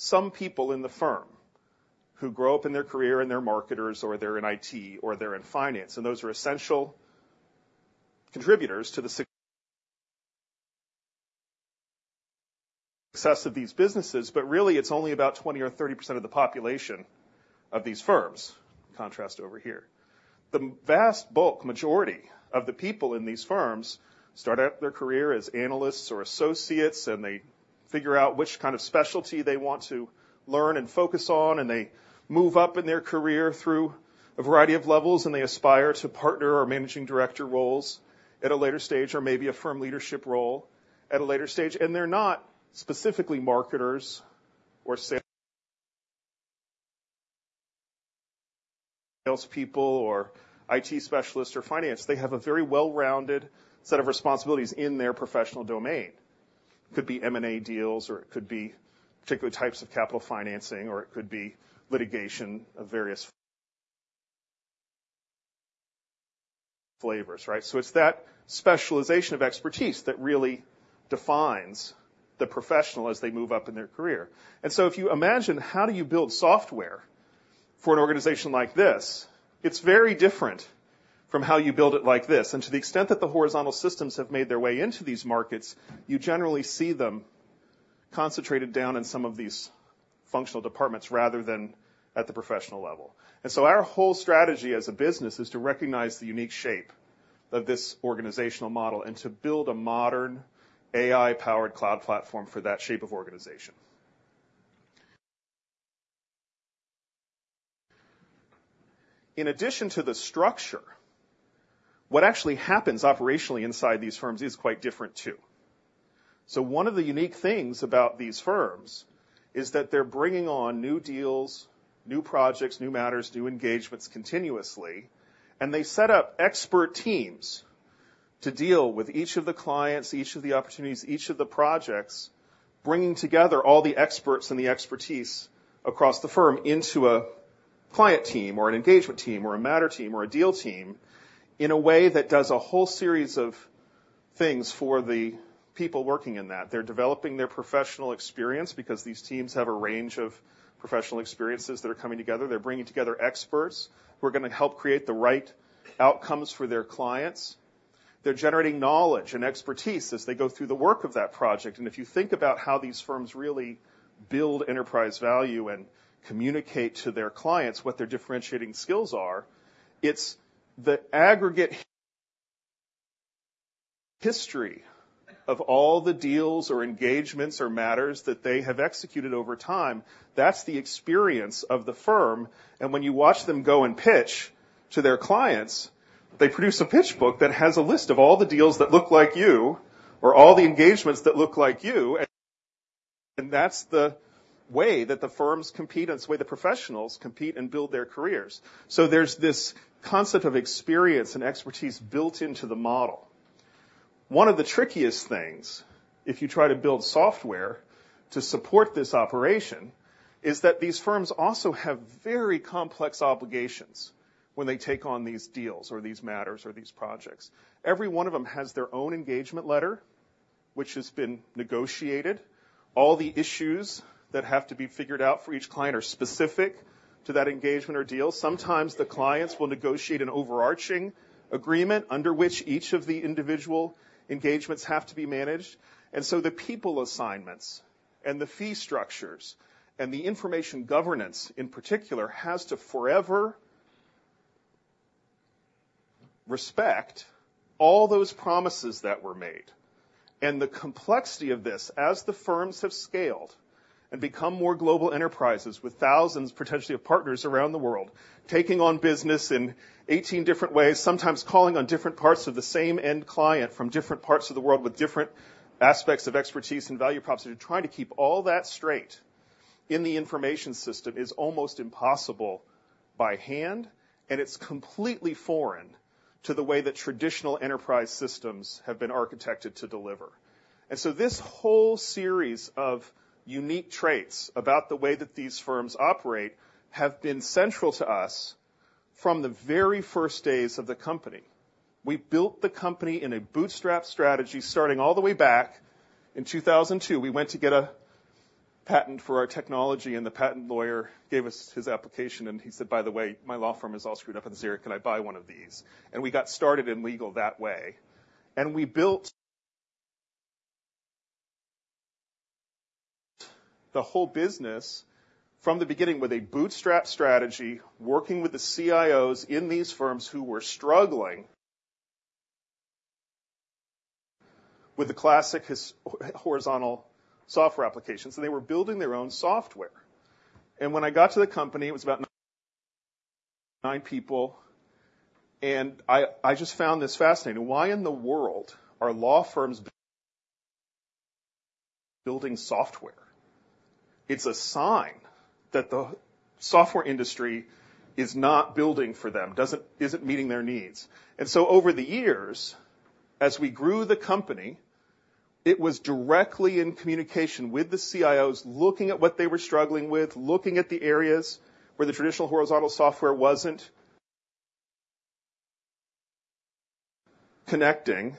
Some people in the firm who grow up in their career and they're marketers, or they're in IT, or they're in finance, and those are essential contributors to the success of these businesses, but really it's only about 20% or 30% of the population of these firms, contrast over here. The vast bulk, majority of the people in these firms start out their career as analysts or associates, and they figure out which kind of specialty they want to learn and focus on, and they move up in their career through a variety of levels, and they aspire to partner or managing director roles at a later stage, or maybe a firm leadership role at a later stage. They're not specifically marketers or salespeople or IT specialists or finance. They have a very well-rounded set of responsibilities in their professional domain. It could be M&A deals, or it could be particular types of capital financing, or it could be litigation of various flavors, right? So it's that specialization of expertise that really defines the professional as they move up in their career. And so if you imagine how do you build software for an organization like this, it's very different from how you build it like this. And to the extent that the horizontal systems have made their way into these markets, you generally see them concentrated down in some of these functional departments rather than at the professional level. And so our whole strategy as a business is to recognize the unique shape of this organizational model and to build a modern AI-powered cloud platform for that shape of organization. In addition to the structure, what actually happens operationally inside these firms is quite different too. So one of the unique things about these firms is that they're bringing on new deals, new projects, new matters, new engagements continuously, and they set up expert teams to deal with each of the clients, each of the opportunities, each of the projects, bringing together all the experts and the expertise across the firm into a client team or an engagement team or a matter team or a deal team in a way that does a whole series of things for the people working in that. They're developing their professional experience because these teams have a range of professional experiences that are coming together. They're bringing together experts who are going to help create the right outcomes for their clients. They're generating knowledge and expertise as they go through the work of that project. And if you think about how these firms really build enterprise value and communicate to their clients what their differentiating skills are, it's the aggregate history of all the deals or engagements or matters that they have executed over time. That's the experience of the firm. And when you watch them go and pitch to their clients, they produce a pitch book that has a list of all the deals that look like you or all the engagements that look like you, and that's the way that the firms compete, and it's the way the professionals compete and build their careers. So there's this concept of experience and expertise built into the model. One of the trickiest things if you try to build software to support this operation is that these firms also have very complex obligations when they take on these deals or these matters or these projects. Every one of them has their own engagement letter which has been negotiated. All the issues that have to be figured out for each client are specific to that engagement or deal. Sometimes the clients will negotiate an overarching agreement under which each of the individual engagements have to be managed. And so the people assignments and the fee structures and the information governance in particular has to forever respect all those promises that were made. The complexity of this as the firms have scaled and become more global enterprises with thousands potentially of partners around the world taking on business in 18 different ways, sometimes calling on different parts of the same end client from different parts of the world with different aspects of expertise and value proposition, trying to keep all that straight in the information system is almost impossible by hand, and it's completely foreign to the way that traditional enterprise systems have been architected to deliver. So this whole series of unique traits about the way that these firms operate have been central to us from the very first days of the company. We built the company in a bootstrap strategy starting all the way back in 2002. We went to get a patent for our technology, and the patent lawyer gave us his application, and he said, "By the way, my law firm is all screwed up in Zurich. Can I buy one of these?" And we got started in legal that way. And we built the whole business from the beginning with a bootstrap strategy working with the CIOs in these firms who were struggling with the classic horizontal software applications. And they were building their own software. And when I got to the company, it was about nine people, and I just found this fascinating. Why in the world are law firms building software? It's a sign that the software industry is not building for them, isn't meeting their needs. And so over the years, as we grew the company, it was directly in communication with the CIOs looking at what they were struggling with, looking at the areas where the traditional horizontal software wasn't connecting,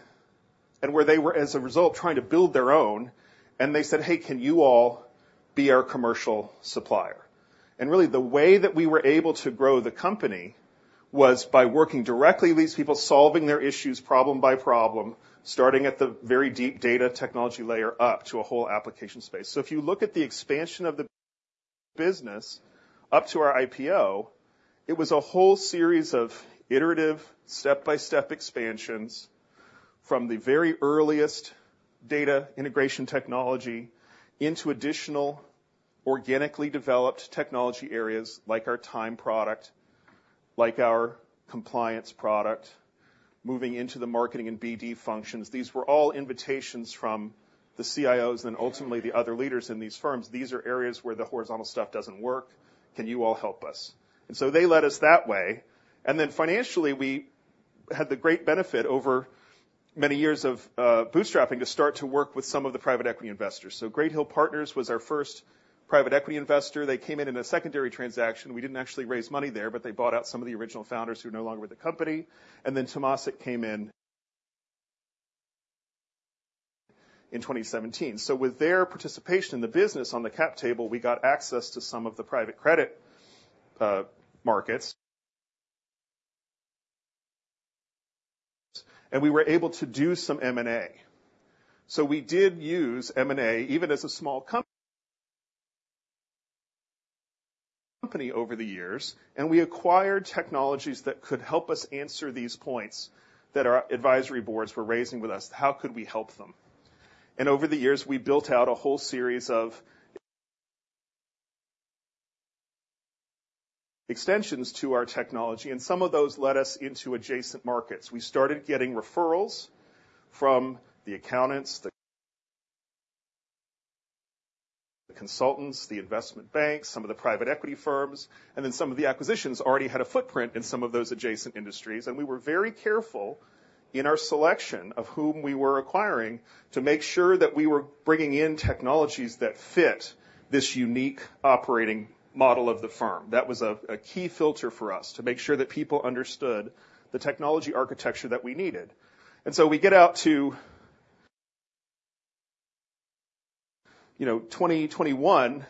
and where they were, as a result, trying to build their own. And they said, "Hey, can you all be our commercial supplier?" And really, the way that we were able to grow the company was by working directly with these people, solving their issues problem by problem, starting at the very deep data technology layer up to a whole application space. So if you look at the expansion of the business up to our IPO, it was a whole series of iterative step-by-step expansions from the very earliest data integration technology into additional organically developed technology areas like our Time product, like our Compliance product, moving into the marketing and BD functions. These were all invitations from the CIOs and then ultimately the other leaders in these firms. These are areas where the horizontal stuff doesn't work. Can you all help us? And so they led us that way. And then financially, we had the great benefit over many years of bootstrapping to start to work with some of the private equity investors. So Great Hill Partners was our first private equity investor. They came in in a secondary transaction. We didn't actually raise money there, but they bought out some of the original founders who were no longer with the company. And then Temasek came in in 2017. So with their participation in the business on the cap table, we got access to some of the private credit markets, and we were able to do some M&A. So we did use M&A even as a small company over the years, and we acquired technologies that could help us answer these points that our advisory boards were raising with us. How could we help them? And over the years, we built out a whole series of extensions to our technology, and some of those led us into adjacent markets. We started getting referrals from the accountants, the consultants, the investment banks, some of the private equity firms, and then some of the acquisitions already had a footprint in some of those adjacent industries. And we were very careful in our selection of whom we were acquiring to make sure that we were bringing in technologies that fit this unique operating model of the firm. That was a key filter for us, to make sure that people understood the technology architecture that we needed. And so we get out to 2021.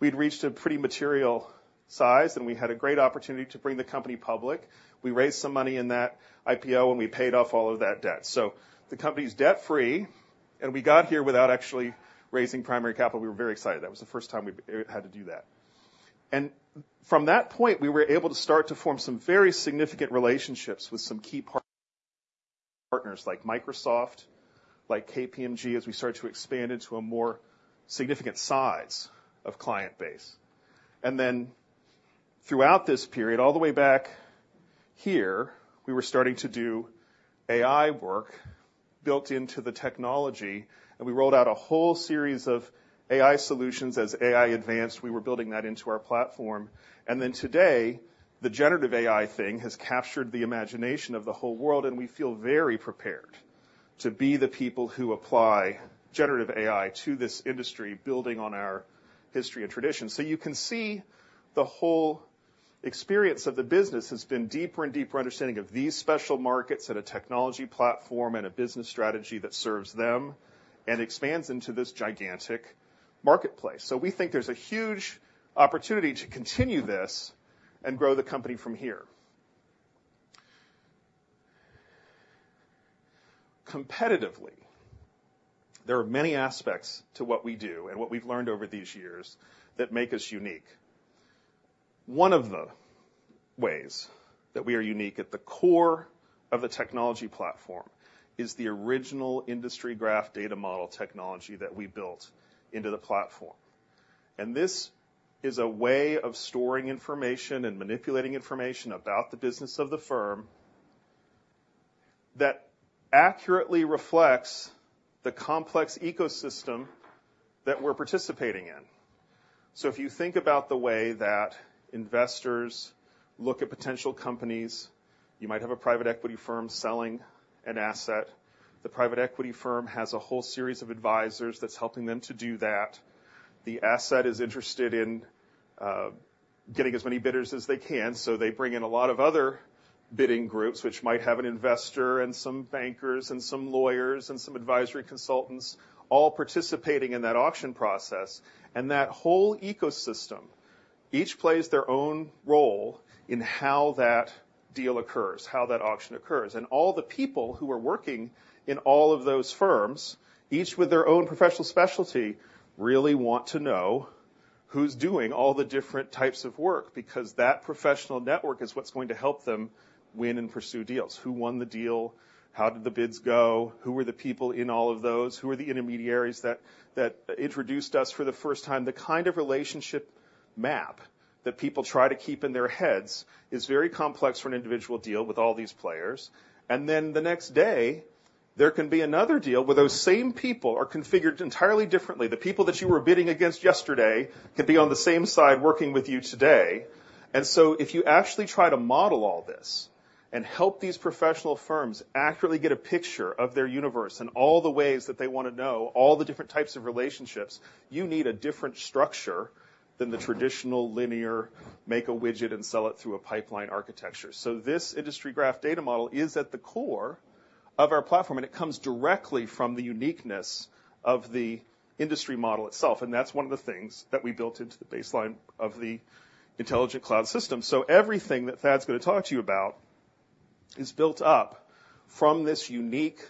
We'd reached a pretty material size, and we had a great opportunity to bring the company public. We raised some money in that IPO, and we paid off all of that debt. So the company's debt-free, and we got here without actually raising primary capital. We were very excited. That was the first time we had to do that. And from that point, we were able to start to form some very significant relationships with some key partners like Microsoft, like KPMG, as we started to expand into a more significant size of client base. And then throughout this period, all the way back here, we were starting to do AI work built into the technology, and we rolled out a whole series of AI solutions. As AI advanced, we were building that into our platform. Then today, the generative AI thing has captured the imagination of the whole world, and we feel very prepared to be the people who apply generative AI to this industry building on our history and tradition. You can see the whole experience of the business has been deeper and deeper understanding of these special markets and a technology platform and a business strategy that serves them and expands into this gigantic marketplace. We think there's a huge opportunity to continue this and grow the company from here. Competitively, there are many aspects to what we do and what we've learned over these years that make us unique. One of the ways that we are unique at the core of the technology platform is the original Industry Graph data model technology that we built into the platform. This is a way of storing information and manipulating information about the business of the firm that accurately reflects the complex ecosystem that we're participating in. So if you think about the way that investors look at potential companies, you might have a private equity firm selling an asset. The private equity firm has a whole series of advisors that's helping them to do that. The asset is interested in getting as many bidders as they can, so they bring in a lot of other bidding groups which might have an investor and some bankers and some lawyers and some advisory consultants all participating in that auction process. That whole ecosystem each plays their own role in how that deal occurs, how that auction occurs. All the people who are working in all of those firms, each with their own professional specialty, really want to know who's doing all the different types of work because that professional network is what's going to help them win and pursue deals. Who won the deal? How did the bids go? Who were the people in all of those? Who were the intermediaries that introduced us for the first time? The kind of relationship map that people try to keep in their heads is very complex for an individual deal with all these players. And then the next day, there can be another deal where those same people are configured entirely differently. The people that you were bidding against yesterday can be on the same side working with you today. If you actually try to model all this and help these professional firms accurately get a picture of their universe and all the ways that they want to know all the different types of relationships, you need a different structure than the traditional linear make a widget and sell it through a pipeline architecture. This Industry Graph data model is at the core of our platform, and it comes directly from the uniqueness of the industry model itself. That's one of the things that we built into the baseline of the Intelligent Cloud system. Everything that Thad's going to talk to you about is built up from this unique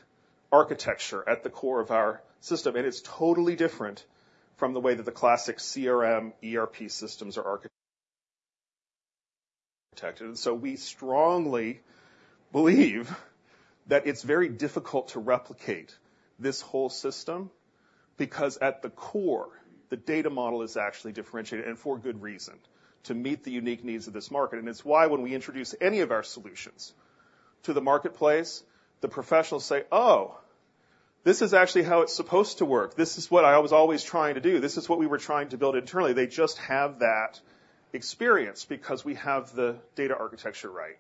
architecture at the core of our system, and it's totally different from the way that the classic CRM, ERP systems are architected. So we strongly believe that it's very difficult to replicate this whole system because at the core, the data model is actually differentiated, and for good reason, to meet the unique needs of this market. It's why when we introduce any of our solutions to the marketplace, the professionals say, "Oh, this is actually how it's supposed to work. This is what I was always trying to do. This is what we were trying to build internally." They just have that experience because we have the data architecture right.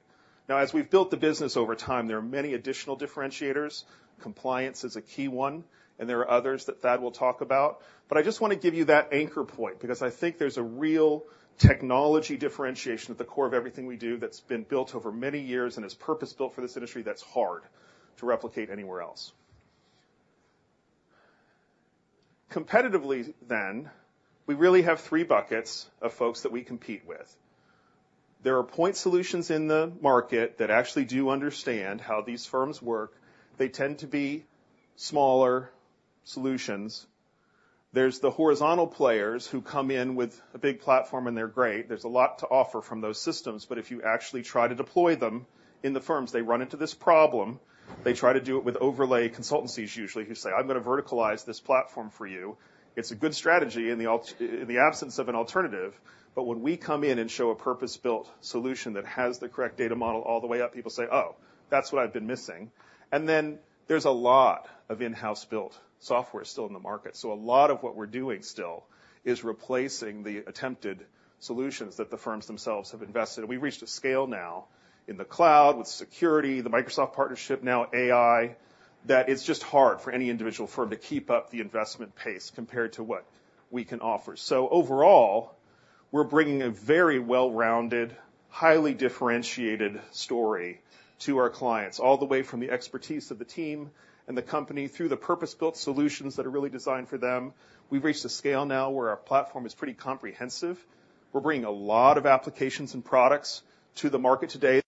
Now, as we've built the business over time, there are many additional differentiators. Compliance is a key one, and there are others that Thad will talk about. But I just want to give you that anchor point because I think there's a real technology differentiation at the core of everything we do that's been built over many years and is purpose-built for this industry that's hard to replicate anywhere else. Competitively, then, we really have three buckets of folks that we compete with. There are point solutions in the market that actually do understand how these firms work. They tend to be smaller solutions. There's the horizontal players who come in with a big platform, and they're great. There's a lot to offer from those systems, but if you actually try to deploy them in the firms, they run into this problem. They try to do it with overlay consultancies usually who say, "I'm going to verticalize this platform for you." It's a good strategy in the absence of an alternative, but when we come in and show a purpose-built solution that has the correct data model all the way up, people say, "Oh, that's what I've been missing." And then there's a lot of in-house built software still in the market. So a lot of what we're doing still is replacing the attempted solutions that the firms themselves have invested in. We've reached a scale now in the cloud with security, the Microsoft partnership, now AI, that it's just hard for any individual firm to keep up the investment pace compared to what we can offer. So overall, we're bringing a very well-rounded, highly differentiated story to our clients, all the way from the expertise of the team and the company through the purpose-built solutions that are really designed for them. We've reached a scale now where our platform is pretty comprehensive. We're bringing a lot of applications and products to the market today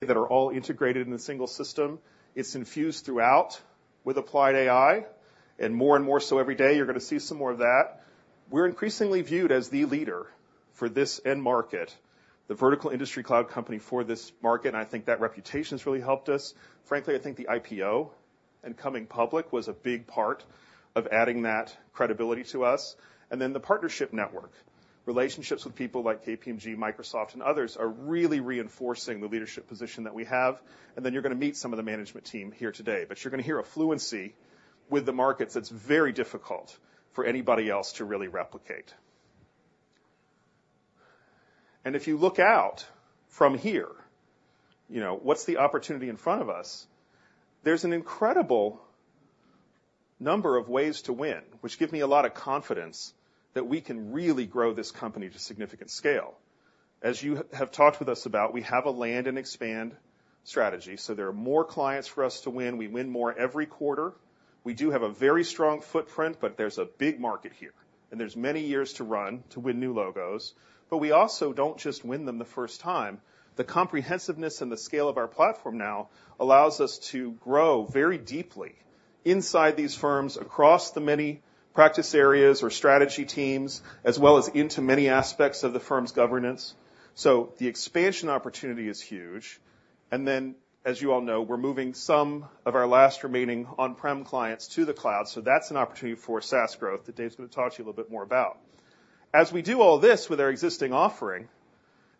that are all integrated in a single system. It's infused throughout with Applied AI, and more and more so every day. You're going to see some more of that. We're increasingly viewed as the leader for this end market, the vertical industry cloud company for this market, and I think that reputation has really helped us. Frankly, I think the IPO and coming public was a big part of adding that credibility to us. Then the partnership network, relationships with people like KPMG, Microsoft, and others are really reinforcing the leadership position that we have. Then you're going to meet some of the management team here today, but you're going to hear a fluency with the markets that's very difficult for anybody else to really replicate. And if you look out from here, what's the opportunity in front of us? There's an incredible number of ways to win, which give me a lot of confidence that we can really grow this company to significant scale. As you have talked with us about, we have a land and expand strategy, so there are more clients for us to win. We win more every quarter. We do have a very strong footprint, but there's a big market here, and there's many years to run to win new logos. But we also don't just win them the first time. The comprehensiveness and the scale of our platform now allows us to grow very deeply inside these firms, across the many practice areas or strategy teams, as well as into many aspects of the firm's governance. So the expansion opportunity is huge. And then, as you all know, we're moving some of our last remaining on-prem clients to the cloud, so that's an opportunity for SaaS growth that Dave's going to talk to you a little bit more about. As we do all this with our existing offering,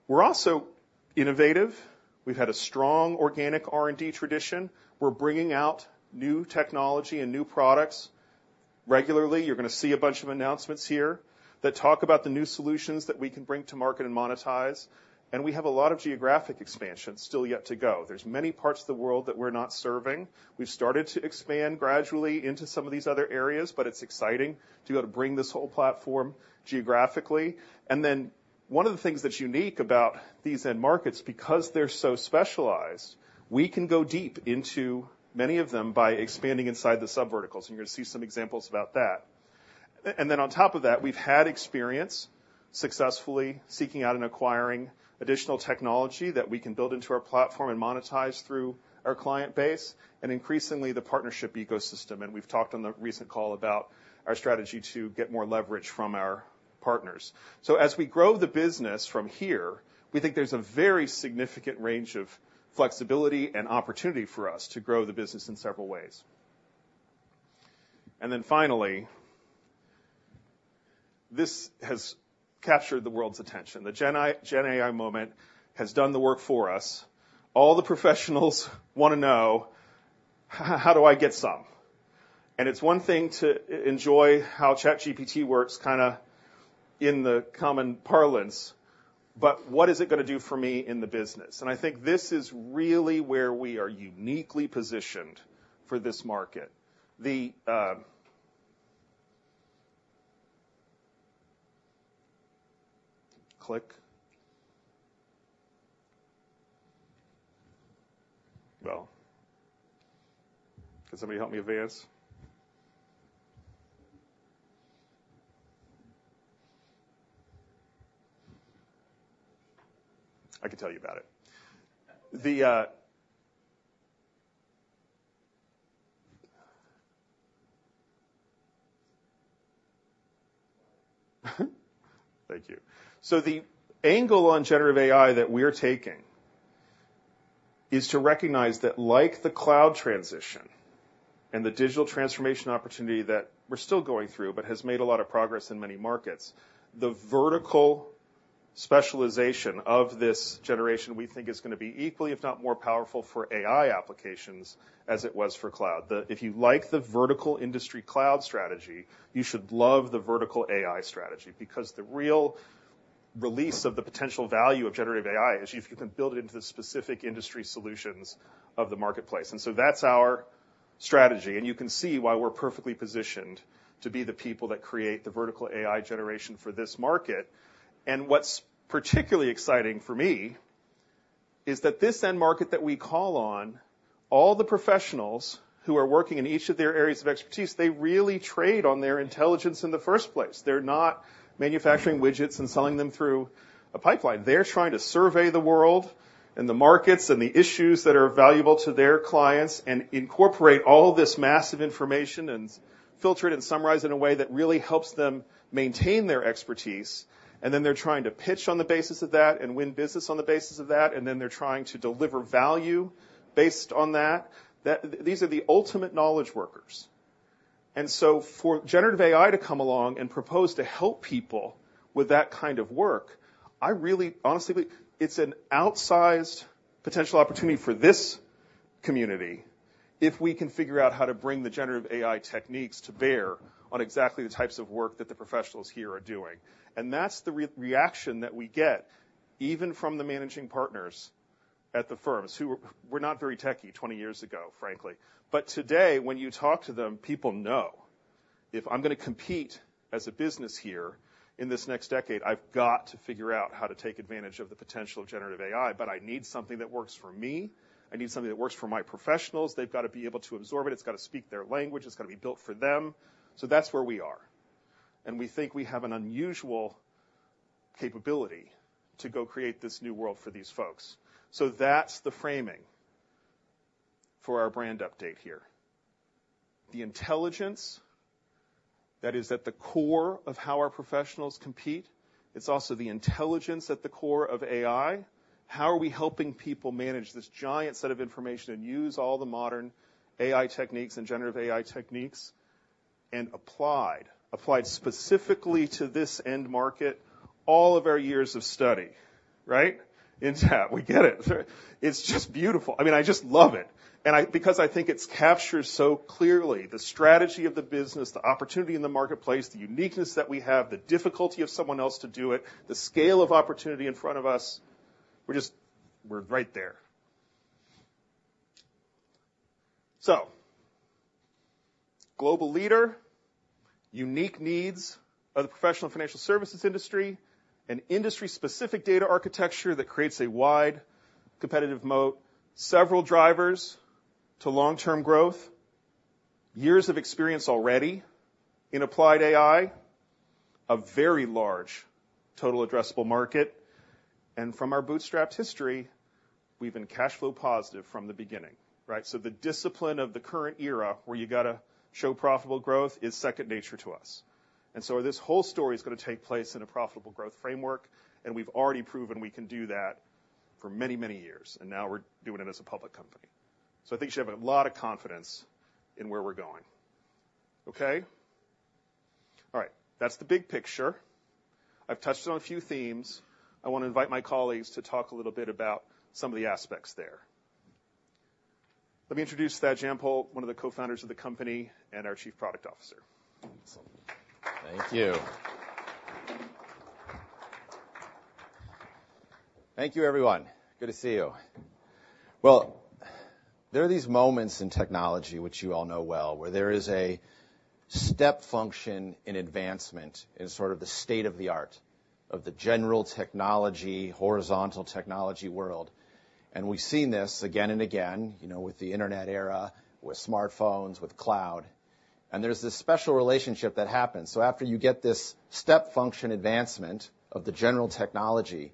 we're also innovative. We've had a strong organic R&D tradition. We're bringing out new technology and new products regularly. You're going to see a bunch of announcements here that talk about the new solutions that we can bring to market and monetize. We have a lot of geographic expansion still yet to go. There's many parts of the world that we're not serving. We've started to expand gradually into some of these other areas, but it's exciting to be able to bring this whole platform geographically. One of the things that's unique about these end markets, because they're so specialized, we can go deep into many of them by expanding inside the subverticals, and you're going to see some examples about that. On top of that, we've had experience successfully seeking out and acquiring additional technology that we can build into our platform and monetize through our client base and increasingly the partnership ecosystem. We've talked on the recent call about our strategy to get more leverage from our partners. So as we grow the business from here, we think there's a very significant range of flexibility and opportunity for us to grow the business in several ways. And then finally, this has captured the world's attention. The GenAI moment has done the work for us. All the professionals want to know, "How do I get some?" And it's one thing to enjoy how ChatGPT works kind of in the common parlance, but what is it going to do for me in the business? And I think this is really where we are uniquely positioned for this market. The click. Well. Can somebody help me advance? I can tell you about it. Thank you. So the angle on generative AI that we're taking is to recognize that, like the cloud transition and the digital transformation opportunity that we're still going through but has made a lot of progress in many markets, the vertical specialization of this generation we think is going to be equally, if not more powerful, for AI applications as it was for cloud. If you like the vertical industry cloud strategy, you should love the vertical AI strategy because the real release of the potential value of generative AI is if you can build it into the specific industry solutions of the marketplace. And so that's our strategy, and you can see why we're perfectly positioned to be the people that create the vertical AI generation for this market. What's particularly exciting for me is that this end market that we call on, all the professionals who are working in each of their areas of expertise, they really trade on their intelligence in the first place. They're not manufacturing widgets and selling them through a pipeline. They're trying to survey the world and the markets and the issues that are valuable to their clients and incorporate all this massive information and filter it and summarize it in a way that really helps them maintain their expertise. Then they're trying to pitch on the basis of that and win business on the basis of that, and then they're trying to deliver value based on that. These are the ultimate knowledge workers. And so for generative AI to come along and propose to help people with that kind of work, I really, honestly, it's an outsized potential opportunity for this community if we can figure out how to bring the generative AI techniques to bear on exactly the types of work that the professionals here are doing. And that's the reaction that we get even from the managing partners at the firms who were not very techie 20 years ago, frankly. But today, when you talk to them, people know, "If I'm going to compete as a business here in this next decade, I've got to figure out how to take advantage of the potential of generative AI, but I need something that works for me. I need something that works for my professionals. They've got to be able to absorb it. It's got to speak their language. It's got to be built for them." That's where we are. We think we have an unusual capability to go create this new world for these folks. That's the framing for our brand update here. The intelligence, that is, at the core of how our professionals compete, it's also the intelligence at the core of AI. How are we helping people manage this giant set of information and use all the modern AI techniques and generative AI techniques and applied, applied specifically to this end market, all of our years of study, and Thad? We get it. It's just beautiful. I mean, I just love it. And because I think it captures so clearly the strategy of the business, the opportunity in the marketplace, the uniqueness that we have, the difficulty of someone else to do it, the scale of opportunity in front of us, we're right there. So, global leader, unique needs of the professional financial services industry, an industry-specific data architecture that creates a wide competitive moat, several drivers to long-term growth, years of experience already in applied AI, a very large total addressable market, and from our bootstrapped history, we've been cash flow positive from the beginning. So the discipline of the current era where you've got to show profitable growth is second nature to us. And so this whole story is going to take place in a profitable growth framework, and we've already proven we can do that for many, many years, and now we're doing it as a public company. So I think you should have a lot of confidence in where we're going. Okay? All right. That's the big picture. I've touched on a few themes. I want to invite my colleagues to talk a little bit about some of the aspects there. Let me introduce Thad Jampol, one of the co-founders of the company, and our Chief Product Officer. Thank you. Thank you, everyone. Good to see you. Well, there are these moments in technology, which you all know well, where there is a step function in advancement in sort of the state of the art of the general technology, horizontal technology world. And we've seen this again and again with the internet era, with smartphones, with cloud. And there's this special relationship that happens. So after you get this step function advancement of the general technology,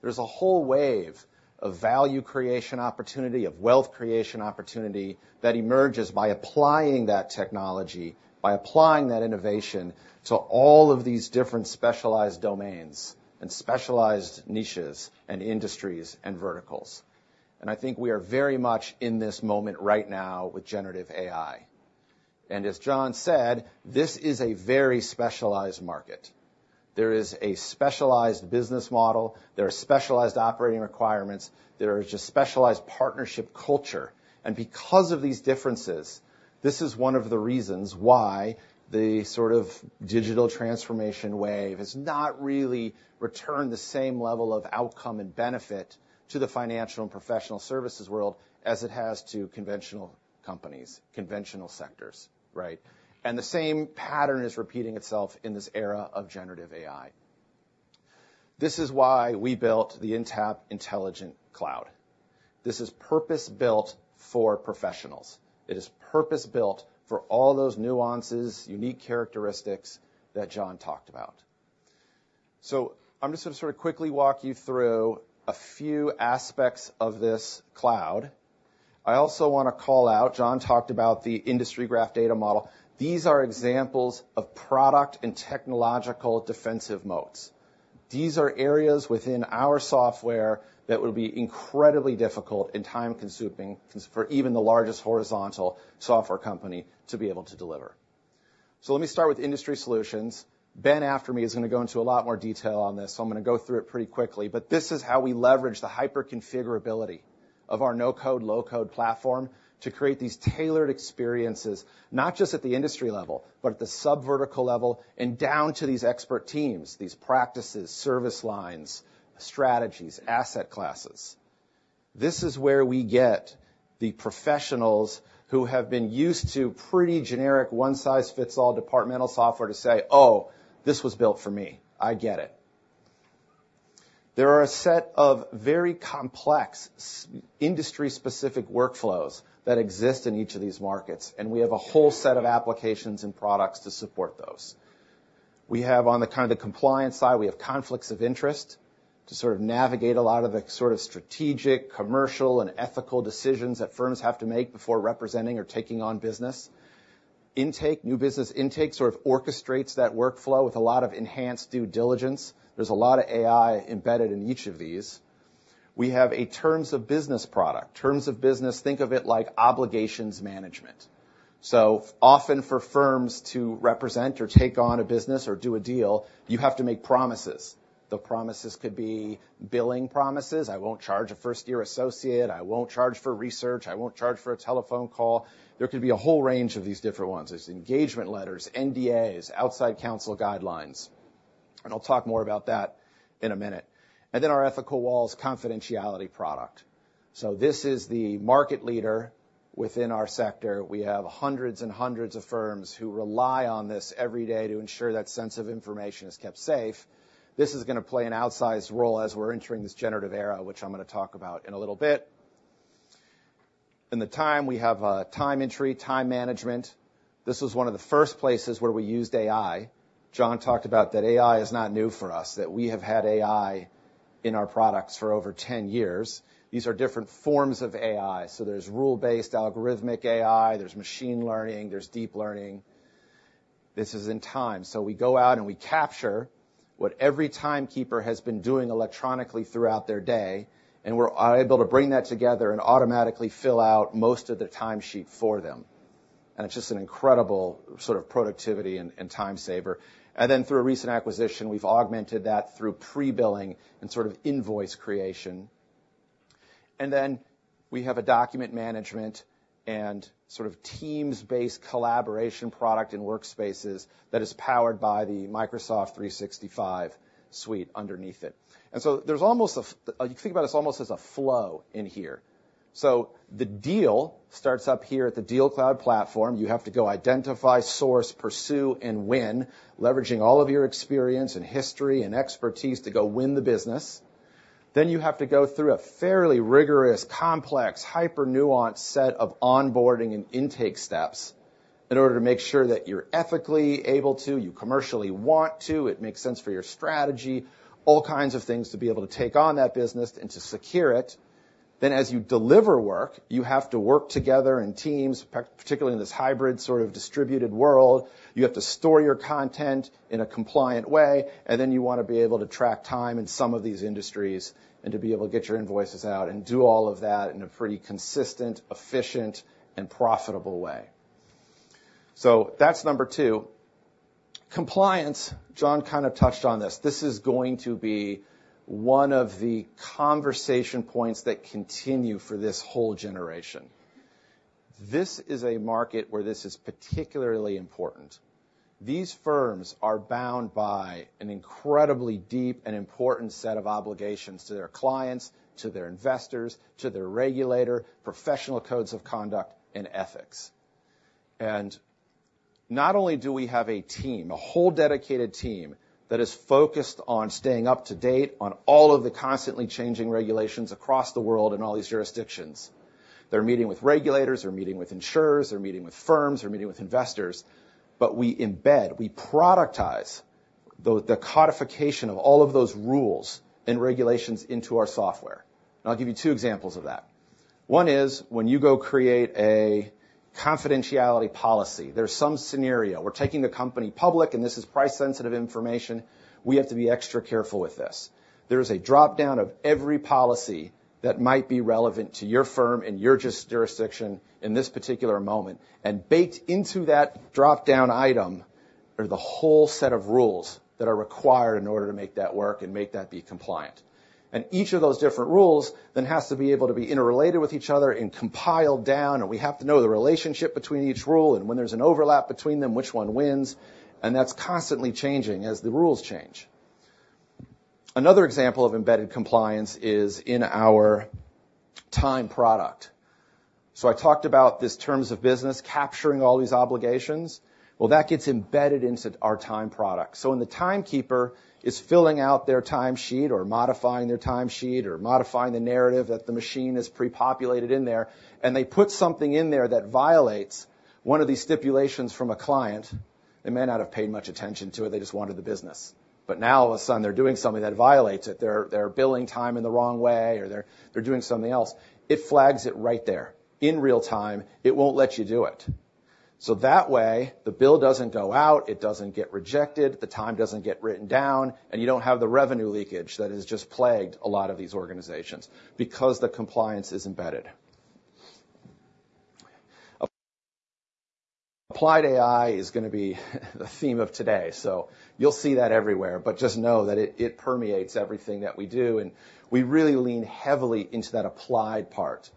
there's a whole wave of value creation opportunity, of wealth creation opportunity that emerges by applying that technology, by applying that innovation to all of these different specialized domains and specialized niches and industries and verticals. And I think we are very much in this moment right now with generative AI. And as John said, this is a very specialized market. There is a specialized business model. There are specialized operating requirements. There is just specialized partnership culture. Because of these differences, this is one of the reasons why the sort of digital transformation wave has not really returned the same level of outcome and benefit to the financial and professional services world as it has to conventional companies, conventional sectors. The same pattern is repeating itself in this era of generative AI. This is why we built the Intapp Intelligent Cloud. This is purpose-built for professionals. It is purpose-built for all those nuances, unique characteristics that John talked about. I'm just going to sort of quickly walk you through a few aspects of this cloud. I also want to call out. John talked about the Industry Graph data model. These are examples of product and technological defensive moats. These are areas within our software that will be incredibly difficult and time-consuming for even the largest horizontal software company to be able to deliver. So let me start with industry solutions. Ben after me is going to go into a lot more detail on this, so I'm going to go through it pretty quickly. But this is how we leverage the hyper-configurability of our no-code, low-code platform to create these tailored experiences, not just at the industry level, but at the subvertical level and down to these expert teams, these practices, service lines, strategies, asset classes. This is where we get the professionals who have been used to pretty generic one-size-fits-all departmental software to say, "Oh, this was built for me. I get it." There are a set of very complex industry-specific workflows that exist in each of these markets, and we have a whole set of applications and products to support those. On the kind of the compliance side, we have conflicts of interest to sort of navigate a lot of the sort of strategic, commercial, and ethical decisions that firms have to make before representing or taking on business. New Business Intake sort of orchestrates that workflow with a lot of enhanced due diligence. There's a lot of AI embedded in each of these. We have a Terms of Business product. Terms of business, think of it like obligations management. So often, for firms to represent or take on a business or do a deal, you have to make promises. The promises could be billing promises. I won't charge a first-year associate. I won't charge for research. I won't charge for a telephone call. There could be a whole range of these different ones. There's engagement letters, NDAs, outside counsel guidelines. I'll talk more about that in a minute. Then our ethical walls, confidentiality product. This is the market leader within our sector. We have hundreds and hundreds of firms who rely on this every day to ensure that sense of information is kept safe. This is going to play an outsized role as we're entering this generative era, which I'm going to talk about in a little bit. In Intapp Time, we have time entry, time management. This was one of the first places where we used AI. John talked about that AI is not new for us, that we have had AI in our products for over 10 years. These are different forms of AI. So there's rule-based algorithmic AI. There's machine learning. There's deep learning. This is Intapp Time. So we go out and we capture what every timekeeper has been doing electronically throughout their day, and we're able to bring that together and automatically fill out most of the timesheet for them. And it's just an incredible sort of productivity and time saver. And then through a recent acquisition, we've augmented that through pre-billing and sort of invoice creation. And then we have a document management and sort of Teams-based collaboration product and Workspaces that is powered by the Microsoft 365 suite underneath it. And so there's almost a you can think about this almost as a flow in here. So the deal starts up here at the DealCloud platform. You have to go identify, source, pursue, and win, leveraging all of your experience and history and expertise to go win the business. Then you have to go through a fairly rigorous, complex, hyper-nuanced set of onboarding and intake steps in order to make sure that you're ethically able to, you commercially want to, it makes sense for your strategy, all kinds of things to be able to take on that business and to secure it. Then as you deliver work, you have to work together in teams, particularly in this hybrid sort of distributed world. You have to store your content in a compliant way, and then you want to be able to track time in some of these industries and to be able to get your invoices out and do all of that in a pretty consistent, efficient, and profitable way. So that's number two. Compliance, John kind of touched on this. This is going to be one of the conversation points that continue for this whole generation. This is a market where this is particularly important. These firms are bound by an incredibly deep and important set of obligations to their clients, to their investors, to their regulator, professional codes of conduct, and ethics. And not only do we have a team, a whole dedicated team that is focused on staying up to date on all of the constantly changing regulations across the world in all these jurisdictions, they're meeting with regulators, they're meeting with insurers, they're meeting with firms, they're meeting with investors, but we embed, we productize the codification of all of those rules and regulations into our software. And I'll give you two examples of that. One is when you go create a confidentiality policy, there's some scenario, we're taking the company public, and this is price-sensitive information, we have to be extra careful with this. There is a dropdown of every policy that might be relevant to your firm and your jurisdiction in this particular moment, and baked into that dropdown item are the whole set of rules that are required in order to make that work and make that be compliant. Each of those different rules then has to be able to be interrelated with each other and compiled down, and we have to know the relationship between each rule and when there's an overlap between them, which one wins. That's constantly changing as the rules change. Another example of embedded compliance is in our Time product. So I talked about this terms of business capturing all these obligations. Well, that gets embedded into our Time product. So when the timekeeper is filling out their timesheet or modifying their timesheet or modifying the narrative that the machine is pre-populated in there, and they put something in there that violates one of these stipulations from a client, they may not have paid much attention to it, they just wanted the business. But now, all of a sudden, they're doing something that violates it. They're billing time in the wrong way, or they're doing something else. It flags it right there. In real time, it won't let you do it. So that way, the bill doesn't go out, it doesn't get rejected, the time doesn't get written down, and you don't have the revenue leakage that has just plagued a lot of these organizations because the compliance is embedded. Applied AI is going to be the theme of today. So you'll see that everywhere, but just know that it permeates everything that we do, and we really lean heavily into that applied part.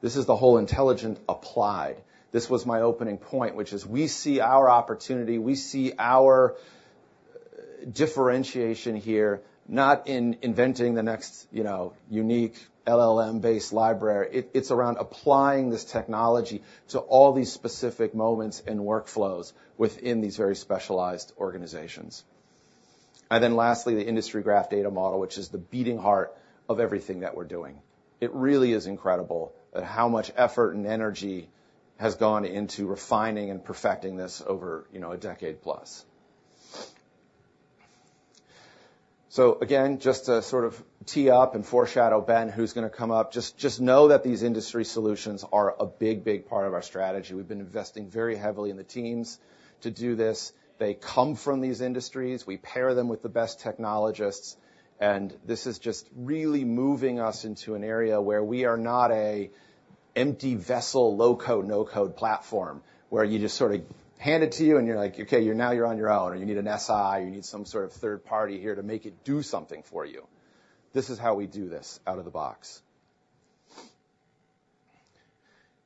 This is the whole intelligent applied. This was my opening point, which is we see our opportunity, we see our differentiation here not in inventing the next unique LLM-based library. It's around applying this technology to all these specific moments and workflows within these very specialized organizations. And then lastly, the Industry Graph data model, which is the beating heart of everything that we're doing. It really is incredible at how much effort and energy has gone into refining and perfecting this over a decade plus. So again, just to sort of tee up and foreshadow Ben who's going to come up, just know that these industry solutions are a big, big part of our strategy. We've been investing very heavily in the teams to do this. They come from these industries. We pair them with the best technologists. And this is just really moving us into an area where we are not an empty vessel, low-code, no-code platform where you just sort of hand it to you and you're like, "Okay, now you're on your own," or you need an SI, or you need some sort of third party here to make it do something for you. This is how we do this out of the box.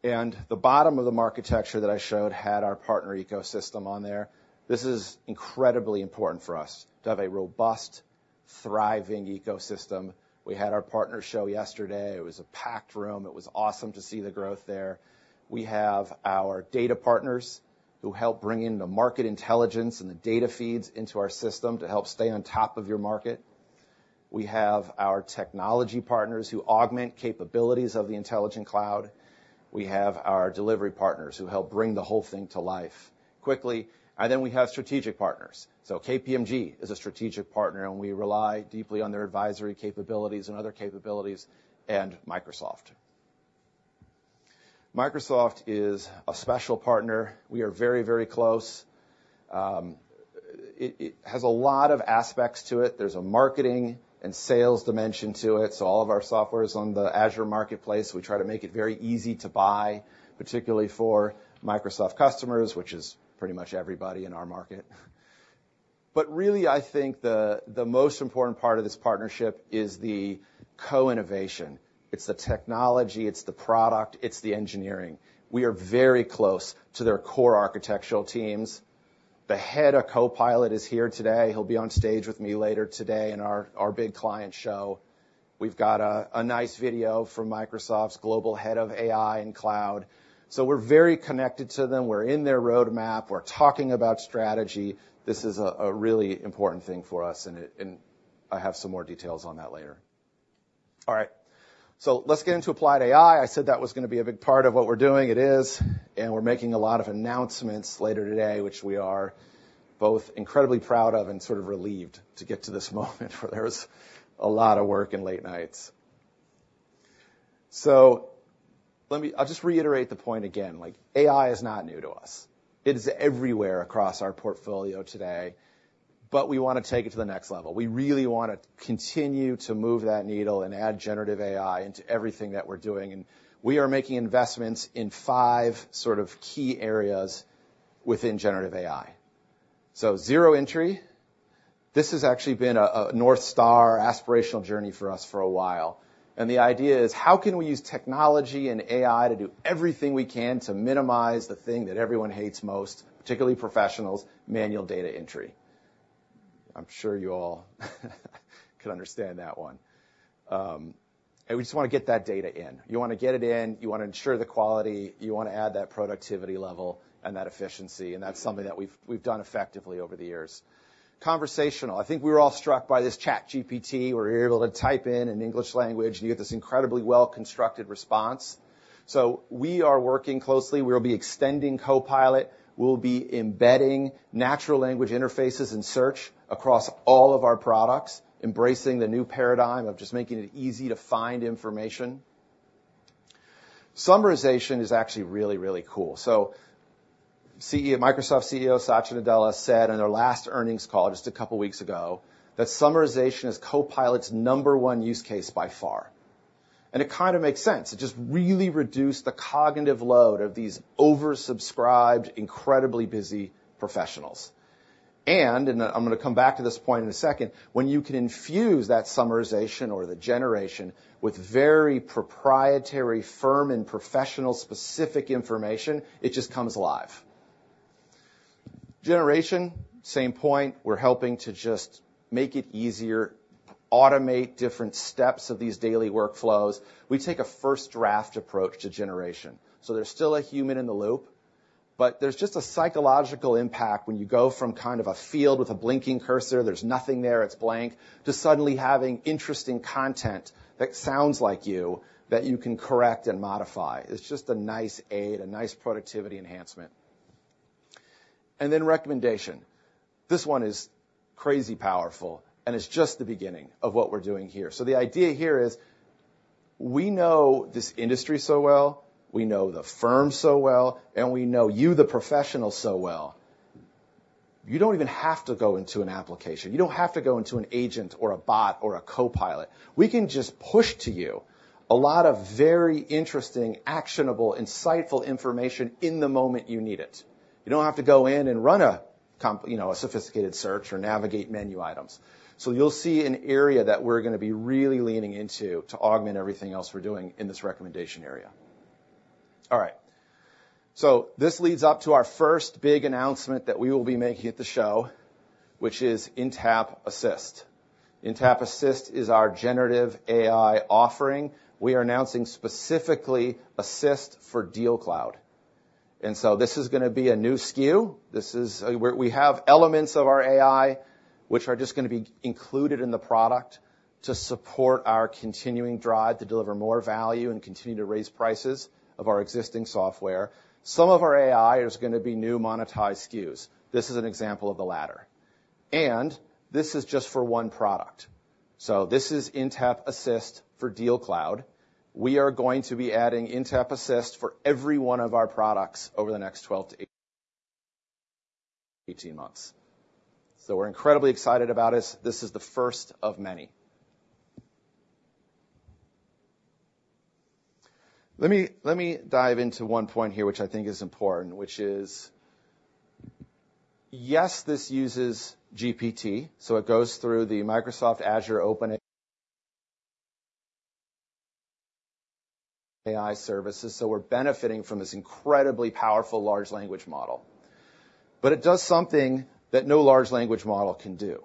And the bottom of the architecture that I showed had our partner ecosystem on there. This is incredibly important for us to have a robust, thriving ecosystem. We had our partner show yesterday. It was a packed room. It was awesome to see the growth there. We have our data partners who help bring in the market intelligence and the data feeds into our system to help stay on top of your market. We have our technology partners who augment capabilities of the intelligent cloud. We have our delivery partners who help bring the whole thing to life quickly. And then we have strategic partners. So KPMG is a strategic partner, and we rely deeply on their advisory capabilities and other capabilities, and Microsoft. Microsoft is a special partner. We are very, very close. It has a lot of aspects to it. There's a marketing and sales dimension to it. So all of our software is on the Azure marketplace. We try to make it very easy to buy, particularly for Microsoft customers, which is pretty much everybody in our market. But really, I think the most important part of this partnership is the co-innovation. It's the technology. It's the product. It's the engineering. We are very close to their core architectural teams. The head of Copilot is here today. He'll be on stage with me later today in our big client show. We've got a nice video from Microsoft's global head of AI and cloud. So we're very connected to them. We're in their roadmap. We're talking about strategy. This is a really important thing for us, and I have some more details on that later. All right. So let's get into applied AI. I said that was going to be a big part of what we're doing. It is. And we're making a lot of announcements later today, which we are both incredibly proud of and sort of relieved to get to this moment where there was a lot of work in late nights. So I'll just reiterate the point again. AI is not new to us. It is everywhere across our portfolio today, but we want to take it to the next level. We really want to continue to move that needle and add generative AI into everything that we're doing. We are making investments in five sort of key areas within generative AI. Zero Entry, this has actually been a North Star aspirational journey for us for a while. The idea is, how can we use technology and AI to do everything we can to minimize the thing that everyone hates most, particularly professionals, manual data entry? I'm sure you all could understand that one. We just want to get that data in. You want to get it in. You want to ensure the quality. You want to add that productivity level and that efficiency. That's something that we've done effectively over the years. Conversational, I think we were all struck by this ChatGPT where you're able to type in English language, and you get this incredibly well-constructed response. So we are working closely. We'll be extending Copilot. We'll be embedding natural language interfaces and search across all of our products, embracing the new paradigm of just making it easy to find information. Summarization is actually really, really cool. So Microsoft CEO Satya Nadella said in their last earnings call just a couple of weeks ago that summarization is Copilot's number one use case by far. And it kind of makes sense. It just really reduced the cognitive load of these oversubscribed, incredibly busy professionals. And I'm going to come back to this point in a second. When you can infuse that summarization or the generation with very proprietary, firm, and professional-specific information, it just comes alive. Generation, same point. We're helping to just make it easier, automate different steps of these daily workflows. We take a first draft approach to generation. So there's still a human in the loop, but there's just a psychological impact when you go from kind of a field with a blinking cursor, there's nothing there, it's blank, to suddenly having interesting content that sounds like you that you can correct and modify. It's just a nice aid, a nice productivity enhancement. And then recommendation. This one is crazy powerful, and it's just the beginning of what we're doing here. So the idea here is we know this industry so well, we know the firm so well, and we know you, the professional, so well. You don't even have to go into an application. You don't have to go into an agent or a bot or a Copilot. We can just push to you a lot of very interesting, actionable, insightful information in the moment you need it. You don't have to go in and run a sophisticated search or navigate menu items. So you'll see an area that we're going to be really leaning into to augment everything else we're doing in this recommendation area. All right. So this leads up to our first big announcement that we will be making at the show, which is Intapp Assist. Intapp Assist is our generative AI offering. We are announcing specifically Assist for DealCloud. And so this is going to be a new SKU. We have elements of our AI, which are just going to be included in the product to support our continuing drive to deliver more value and continue to raise prices of our existing software. Some of our AI is going to be new monetized SKUs. This is an example of the latter. This is just for one product. This is Intapp Assist for DealCloud. We are going to be adding Intapp Assist for every one of our products over the next 12-18 months. We're incredibly excited about this. This is the first of many. Let me dive into one point here, which I think is important, which is, yes, this uses GPT. It goes through the Microsoft Azure OpenAI services. We're benefiting from this incredibly powerful large language model. But it does something that no large language model can do.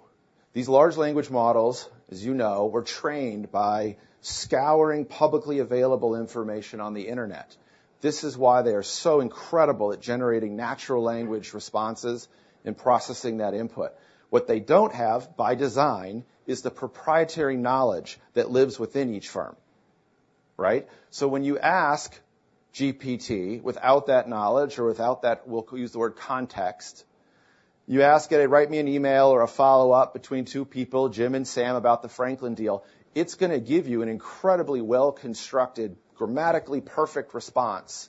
These large language models, as you know, were trained by scouring publicly available information on the internet. This is why they are so incredible at generating natural language responses and processing that input. What they don't have by design is the proprietary knowledge that lives within each firm, right? So when you ask GPT without that knowledge or without that, we'll use the word context, you ask it, "Write me an email or a follow-up between two people, Jim and Sam, about the Franklin deal," it's going to give you an incredibly well-constructed, grammatically perfect response.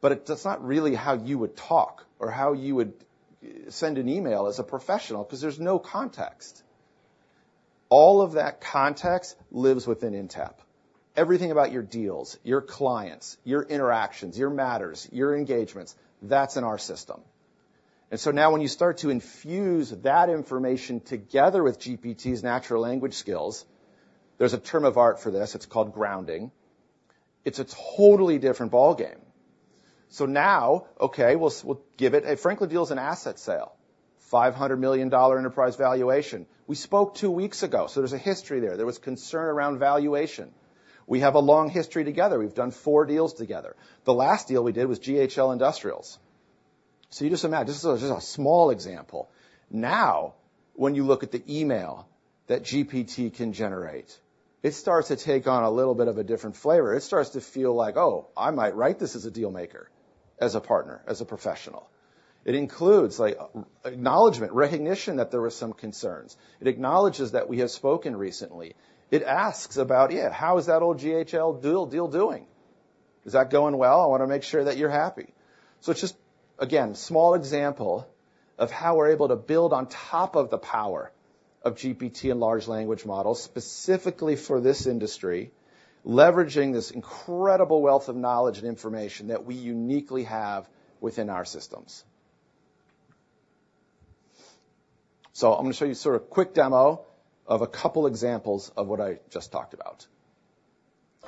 But it's not really how you would talk or how you would send an email as a professional because there's no context. All of that context lives within Intapp. Everything about your deals, your clients, your interactions, your matters, your engagements, that's in our system. And so now when you start to infuse that information together with GPT's natural language skills, there's a term of art for this. It's called grounding. It's a totally different ballgame. So now, okay, we'll give it a Franklin deal is an asset sale, $500 million enterprise valuation. We spoke two weeks ago, so there's a history there. There was concern around valuation. We have a long history together. We've done four deals together. The last deal we did was GHL Industrials. So you just imagine, this is just a small example. Now, when you look at the email that GPT can generate, it starts to take on a little bit of a different flavor. It starts to feel like, "Oh, I might write this as a dealmaker, as a partner, as a professional." It includes acknowledgment, recognition that there were some concerns. It acknowledges that we have spoken recently. It asks about, "Yeah, how is that old GHL deal doing? Is that going well? I want to make sure that you're happy." So it's just, again, a small example of how we're able to build on top of the power of GPT and large language models specifically for this industry, leveraging this incredible wealth of knowledge and information that we uniquely have within our systems. So I'm going to show you sort of a quick demo of a couple of examples of what I just talked about.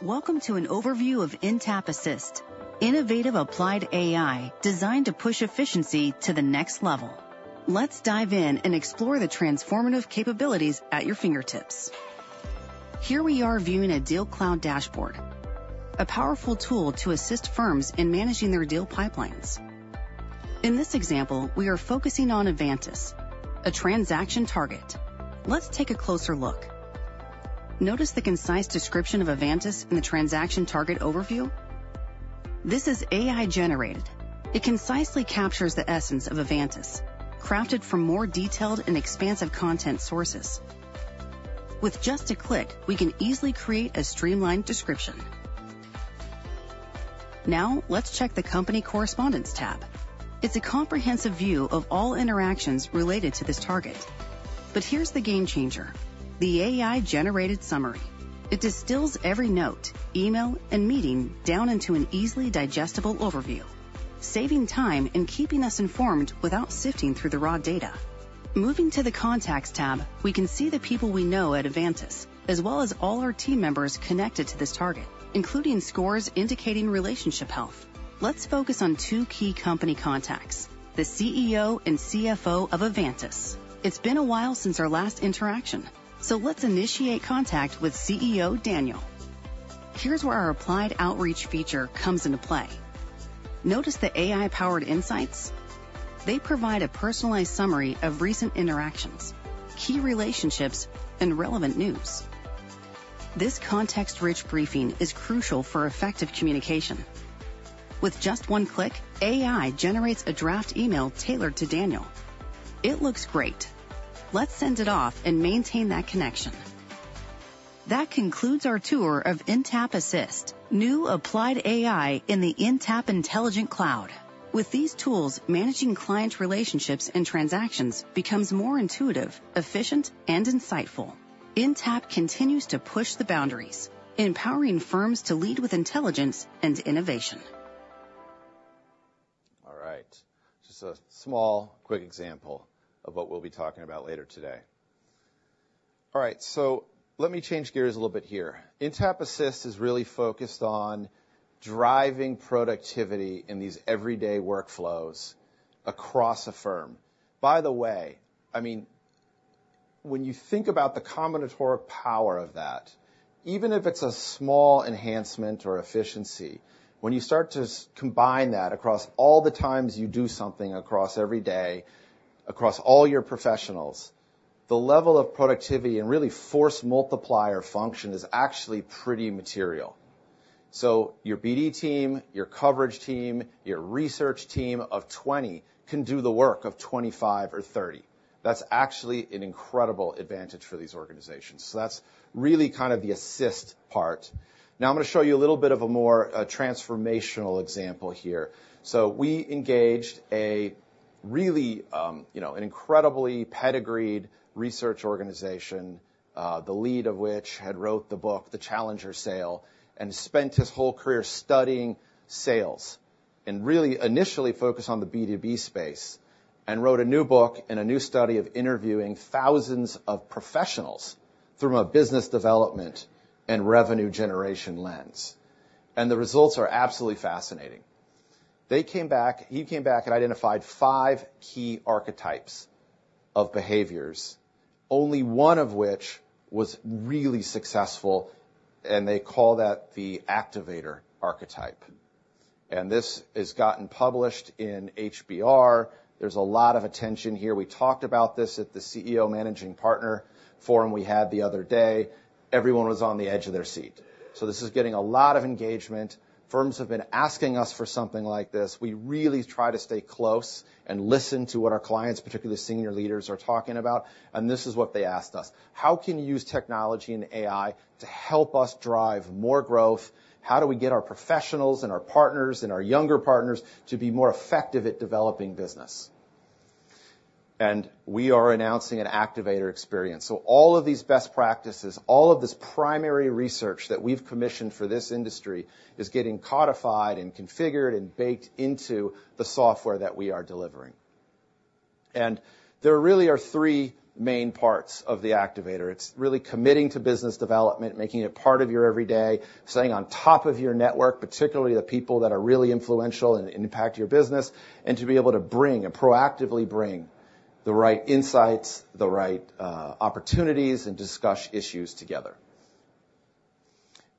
Welcome to an overview of Intapp Assist, innovative applied AI designed to push efficiency to the next level. Let's dive in and explore the transformative capabilities at your fingertips. Here we are viewing a DealCloud dashboard, a powerful tool to assist firms in managing their deal pipelines. In this example, we are focusing on Avantius, a transaction target. Let's take a closer look. Notice the concise description of Avantius in the transaction target overview? This is AI-generated. It concisely captures the essence of Avantius, crafted from more detailed and expansive content sources. With just a click, we can easily create a streamlined description. Now, let's check the company correspondence tab. It's a comprehensive view of all interactions related to this target. But here's the game changer, the AI-generated summary. It distills every note, email, and meeting down into an easily digestible overview, saving time and keeping us informed without sifting through the raw data. Moving to the contacts tab, we can see the people we know at Avantius, as well as all our team members connected to this target, including scores indicating relationship health. Let's focus on two key company contacts, the CEO and CFO of Avantius. It's been a while since our last interaction, so let's initiate contact with CEO Daniel. Here's where our applied outreach feature comes into play. Notice the AI-powered insights? They provide a personalized summary of recent interactions, key relationships, and relevant news. This context-rich briefing is crucial for effective communication. With just one click, AI generates a draft email tailored to Daniel. It looks great. Let's send it off and maintain that connection. That concludes our tour of Intapp Assist, new applied AI in the Intapp Intelligent Cloud. With these tools, managing client relationships and transactions becomes more intuitive, efficient, and insightful. Intapp continues to push the boundaries, empowering firms to lead with intelligence and innovation. All right. Just a small, quick example of what we'll be talking about later today. All right. So let me change gears a little bit here. Intapp Assist is really focused on driving productivity in these everyday workflows across a firm. By the way, I mean, when you think about the combinatorial power of that, even if it's a small enhancement or efficiency, when you start to combine that across all the times you do something across every day, across all your professionals, the level of productivity and really force multiplier function is actually pretty material. So your BD team, your coverage team, your research team of 20 can do the work of 25 or 30. That's actually an incredible advantage for these organizations. So that's really kind of the assist part. Now, I'm going to show you a little bit of a more transformational example here. So we engaged a really incredibly pedigreed research organization, the lead of which had wrote the book, The Challenger Sale, and spent his whole career studying sales and really initially focused on the B2B space and wrote a new book and a new study of interviewing thousands of professionals through a business development and revenue generation lens. The results are absolutely fascinating. He came back and identified five key archetypes of behaviors, only one of which was really successful, and they call that the Activator archetype. This has gotten published in HBR. There's a lot of attention here. We talked about this at the CEO Managing Partner Forum we had the other day. Everyone was on the edge of their seat. This is getting a lot of engagement. Firms have been asking us for something like this. We really try to stay close and listen to what our clients, particularly senior leaders, are talking about. This is what they asked us, "How can you use technology and AI to help us drive more growth? How do we get our professionals and our partners and our younger partners to be more effective at developing business?" We are announcing an Activator experience. All of these best practices, all of this primary research that we've commissioned for this industry is getting codified and configured and baked into the software that we are delivering. There really are three main parts of the Activator. It's really committing to business development, making it part of your every day, staying on top of your network, particularly the people that are really influential and impact your business, and to be able to proactively bring the right insights, the right opportunities, and discuss issues together.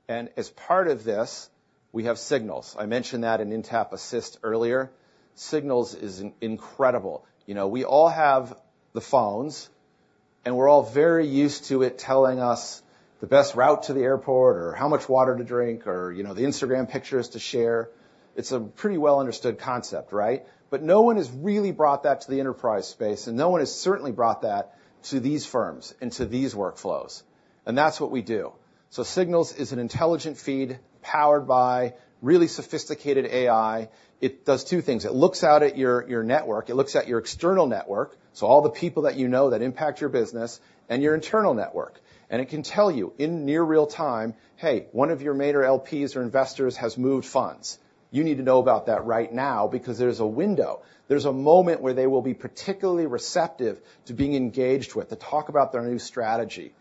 As part of this, we have Signals. I mentioned that in Intapp Assist earlier. Signals is incredible. We all have the phones, and we're all very used to it telling us the best route to the airport or how much water to drink or the Instagram pictures to share. It's a pretty well-understood concept, right? But no one has really brought that to the enterprise space, and no one has certainly brought that to these firms and to these workflows. That's what we do. Signals is an intelligent feed powered by really sophisticated AI. It does two things. It looks out at your network. It looks at your external network, so all the people that you know that impact your business, and your internal network. And it can tell you in near real time, "Hey, one of your major LPs or investors has moved funds. You need to know about that right now because there's a window. There's a moment where they will be particularly receptive to being engaged with to talk about their new strategy."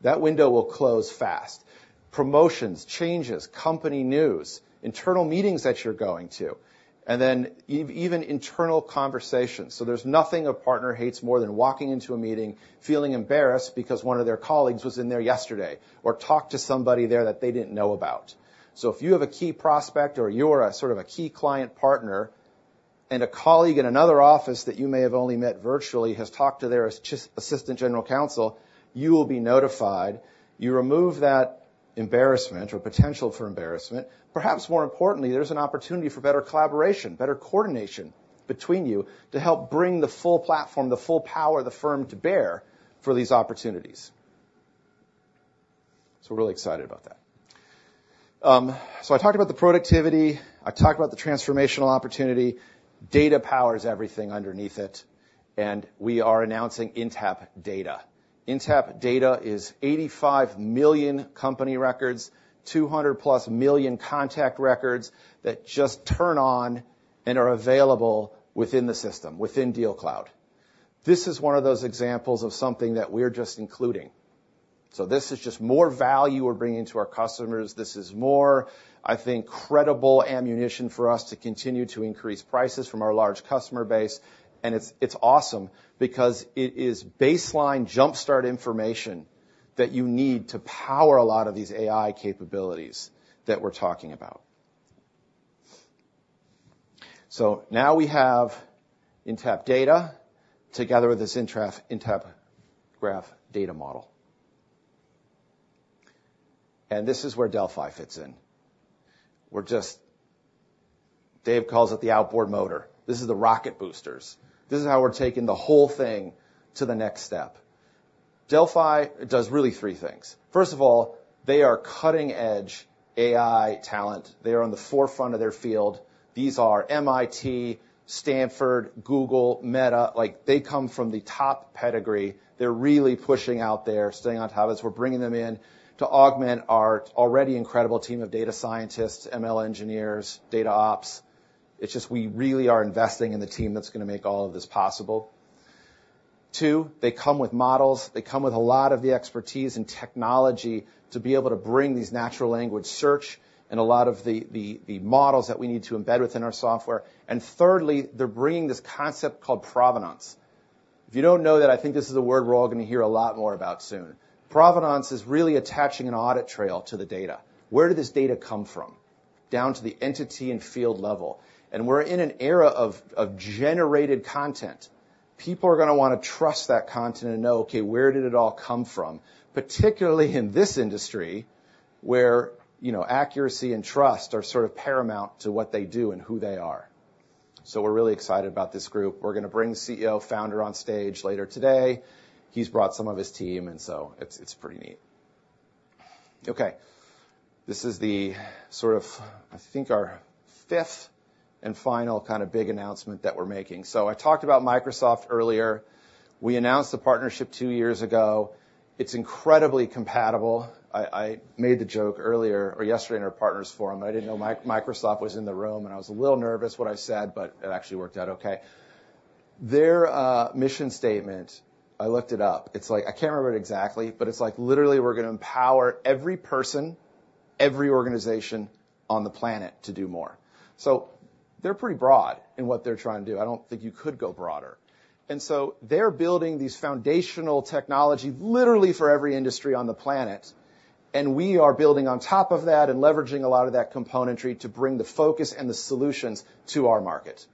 That window will close fast. Promotions, changes, company news, internal meetings that you're going to, and then even internal conversations. So there's nothing a partner hates more than walking into a meeting, feeling embarrassed because one of their colleagues was in there yesterday, or talked to somebody there that they didn't know about. So if you have a key prospect or you're sort of a key client partner, and a colleague in another office that you may have only met virtually has talked to their assistant general counsel, you will be notified. You remove that embarrassment or potential for embarrassment. Perhaps more importantly, there's an opportunity for better collaboration, better coordination between you to help bring the full platform, the full power the firm to bear for these opportunities. So we're really excited about that. So I talked about the productivity. I talked about the transformational opportunity. Data powers everything underneath it. And we are announcing Intapp Data. Intapp Data is 85 million company records, 200+ million contact records that just turn on and are available within the system, within DealCloud. This is one of those examples of something that we're just including. So this is just more value we're bringing to our customers. This is more, I think, credible ammunition for us to continue to increase prices from our large customer base. And it's awesome because it is baseline jump-start information that you need to power a lot of these AI capabilities that we're talking about. So now we have Intapp Data together with this Intapp Graph data model. And this is where Delphai fits in. Dave calls it the outboard motor. This is the rocket boosters. This is how we're taking the whole thing to the next step. Delphai does really three things. First of all, they are cutting-edge AI talent. They are on the forefront of their field. These are MIT, Stanford, Google, Meta. They come from the top pedigree. They're really pushing out there, staying on top of this. We're bringing them in to augment our already incredible team of data scientists, ML engineers, data ops. It's just we really are investing in the team that's going to make all of this possible. Two, they come with models. They come with a lot of the expertise and technology to be able to bring these natural language search and a lot of the models that we need to embed within our software. And thirdly, they're bringing this concept called provenance. If you don't know that, I think this is a word we're all going to hear a lot more about soon. Provenance is really attaching an audit trail to the data. Where did this data come from? Down to the entity and field level. And we're in an era of generated content. People are going to want to trust that content and know, "Okay, where did it all come from?" Particularly in this industry where accuracy and trust are sort of paramount to what they do and who they are. So we're really excited about this group. We're going to bring CEO Founder on stage later today. He's brought some of his team, and so it's pretty neat. Okay. This is the sort of, I think, our fifth and final kind of big announcement that we're making. So I talked about Microsoft earlier. We announced the partnership two years ago. It's incredibly compatible. I made the joke earlier or yesterday in our partners' forum, but I didn't know Microsoft was in the room, and I was a little nervous what I said, but it actually worked out okay. Their mission statement, I looked it up. It's like, I can't remember it exactly, but it's like, literally, we're going to empower every person, every organization on the planet to do more. So they're pretty broad in what they're trying to do. I don't think you could go broader. And so they're building these foundational technology, literally, for every industry on the planet. And we are building on top of that and leveraging a lot of that componentry to bring the focus and the solutions to our market.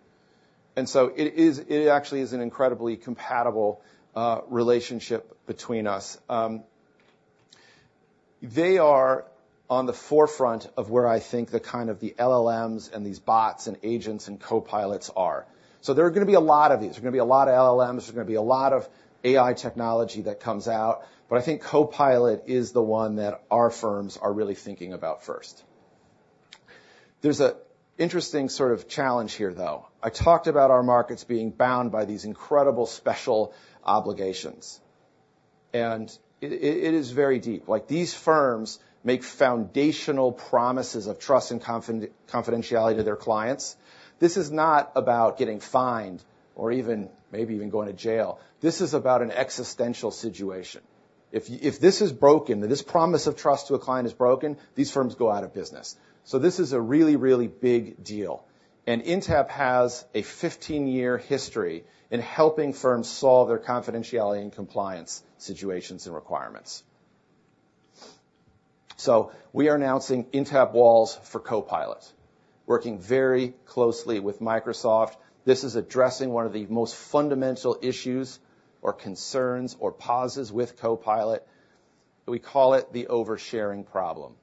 And so it actually is an incredibly compatible relationship between us. They are on the forefront of where I think the kind of the LLMs and these bots and agents and copilots are. So there are going to be a lot of these. There are going to be a lot of LLMs. There's going to be a lot of AI technology that comes out. But I think Copilot is the one that our firms are really thinking about first. There's an interesting sort of challenge here, though. I talked about our markets being bound by these incredible special obligations. And it is very deep. These firms make foundational promises of trust and confidentiality to their clients. This is not about getting fined or maybe even going to jail. This is about an existential situation. If this is broken, if this promise of trust to a client is broken, these firms go out of business. So this is a really, really big deal. And Intapp has a 15-year history in helping firms solve their confidentiality and compliance situations and requirements. So we are announcing Intapp Walls for Copilot, working very closely with Microsoft. This is addressing one of the most fundamental issues or concerns or pauses with Copilot. We call it the oversharing problem.